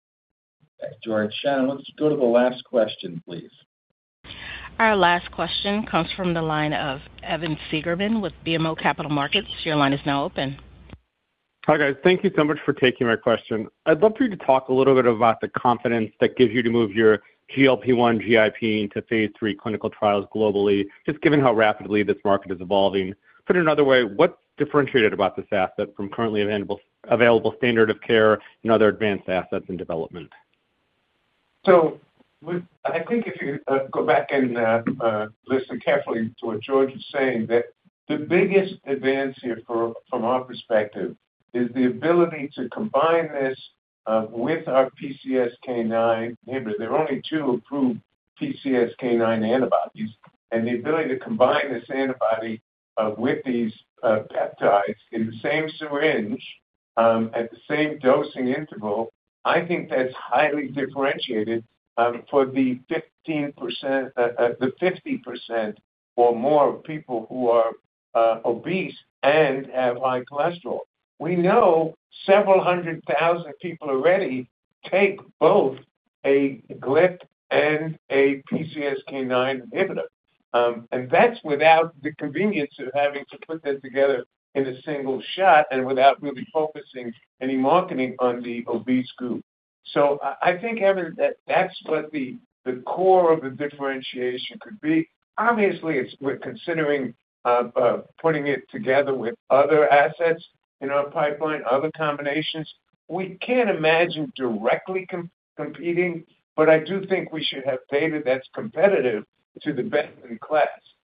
Thanks, George. Shannon, let's go to the last question, please. Our last question comes from the line of Evan Segerman with BMO Capital Markets. Your line is now open. Hi, guys. Thank you so much for taking my question. I'd love for you to talk a little bit about the confidence that gives you to move your GLP-1 GIP into Phase III clinical trials globally, just given how rapidly this market is evolving. Put it another way, what's differentiated about this asset from currently available standard of care and other advanced assets in development? So I think if you go back and listen carefully to what George is saying, that the biggest advance here from our perspective is the ability to combine this with our PCSK9 inhibitor. There are only two approved PCSK9 antibodies, and the ability to combine this antibody with these peptides in the same syringe at the same dosing interval, I think that's highly differentiated for the 15%, the 50% or more of people who are obese and have high cholesterol. We know several hundred thousand people already take both a GLP and a PCSK9 inhibitor, and that's without the convenience of having to put that together in a single shot and without really focusing any marketing on the obese group. So I, I think, Evan, that that's what the, the core of the differentiation could be. Obviously, it's- we're considering, putting it together with other assets in our pipeline, other combinations. We can't imagine directly com- competing, but I do think we should have data that's competitive to the best-in-class.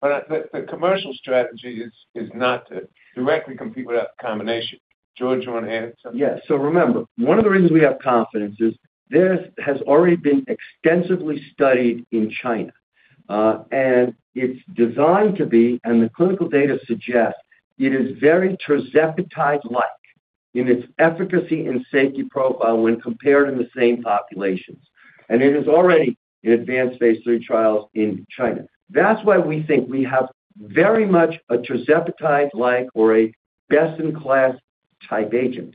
But the, the commercial strategy is, is not to directly compete with that combination. George, you want to add something? Yes. So remember, one of the reasons we have confidence is this has already been extensively studied in China, and it's designed to be, and the clinical data suggests, it is very tirzepatide-like in its efficacy and safety profile when compared in the same populations. And it is already in advanced Phase III trials in China. That's why we think we have very much a tirzepatide-like or a best-in-class type agent.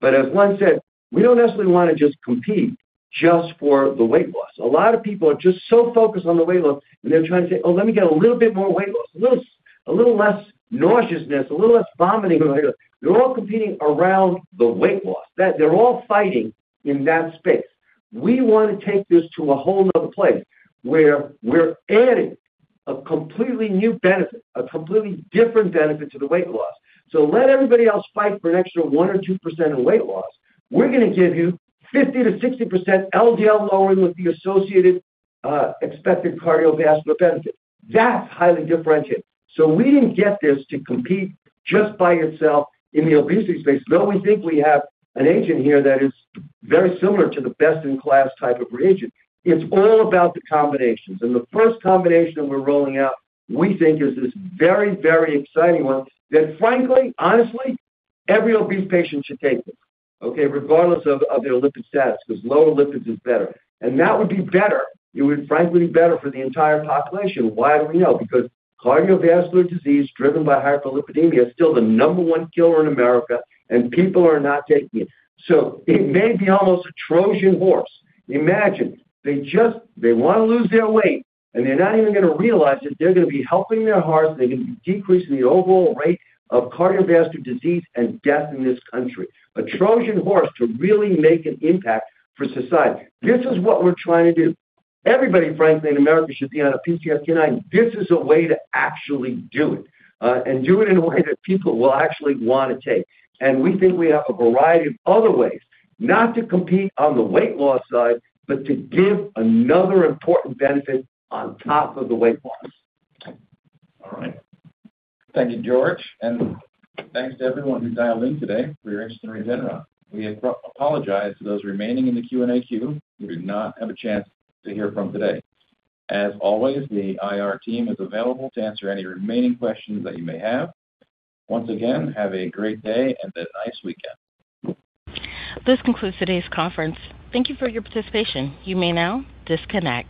But as Len said, we don't necessarily want to just compete just for the weight loss. A lot of people are just so focused on the weight loss, and they're trying to say, "Oh, let me get a little bit more weight loss, a little, a little less nauseousness, a little less vomiting." They're all competing around the weight loss. They're all fighting in that space. We want to take this to a whole another place, where we're adding a completely new benefit, a completely different benefit to the weight loss. So let everybody else fight for an extra 1 or 2% in weight loss. We're going to give you 50%-60% LDL lowering with the associated, expected cardiovascular benefit. That's highly differentiated. So we didn't get this to compete just by itself in the obesity space, though we think we have an agent here that is very similar to the best-in-class type of reagent. It's all about the combinations, and the first combination that we're rolling out, we think is this very, very exciting one, that frankly, honestly, every obese patient should take it, okay, regardless of, of their lipid status, because lower lipids is better. And that would be better. It would frankly be better for the entire population. Why do we know? Because cardiovascular disease driven by hyperlipidemia is still the number one killer in America, and people are not taking it. So it may be almost a Trojan horse. Imagine, they just, they want to lose their weight, and they're not even going to realize that they're going to be helping their heart, they're going to be decreasing the overall rate of cardiovascular disease and death in this country. A Trojan horse to really make an impact for society. This is what we're trying to do. Everybody, frankly, in America, should be on a PCSK9. This is a way to actually do it, and do it in a way that people will actually want to take. And we think we have a variety of other ways not to compete on the weight loss side, but to give another important benefit on top of the weight loss. All right. Thank you, George, and thanks to everyone who dialed in today for your interest in Regeneron. We apologize to those remaining in the Q&A queue we did not have a chance to hear from today. As always, the IR team is available to answer any remaining questions that you may have. Once again, have a great day and a nice weekend. This concludes today's conference. Thank you for your participation. You may now disconnect.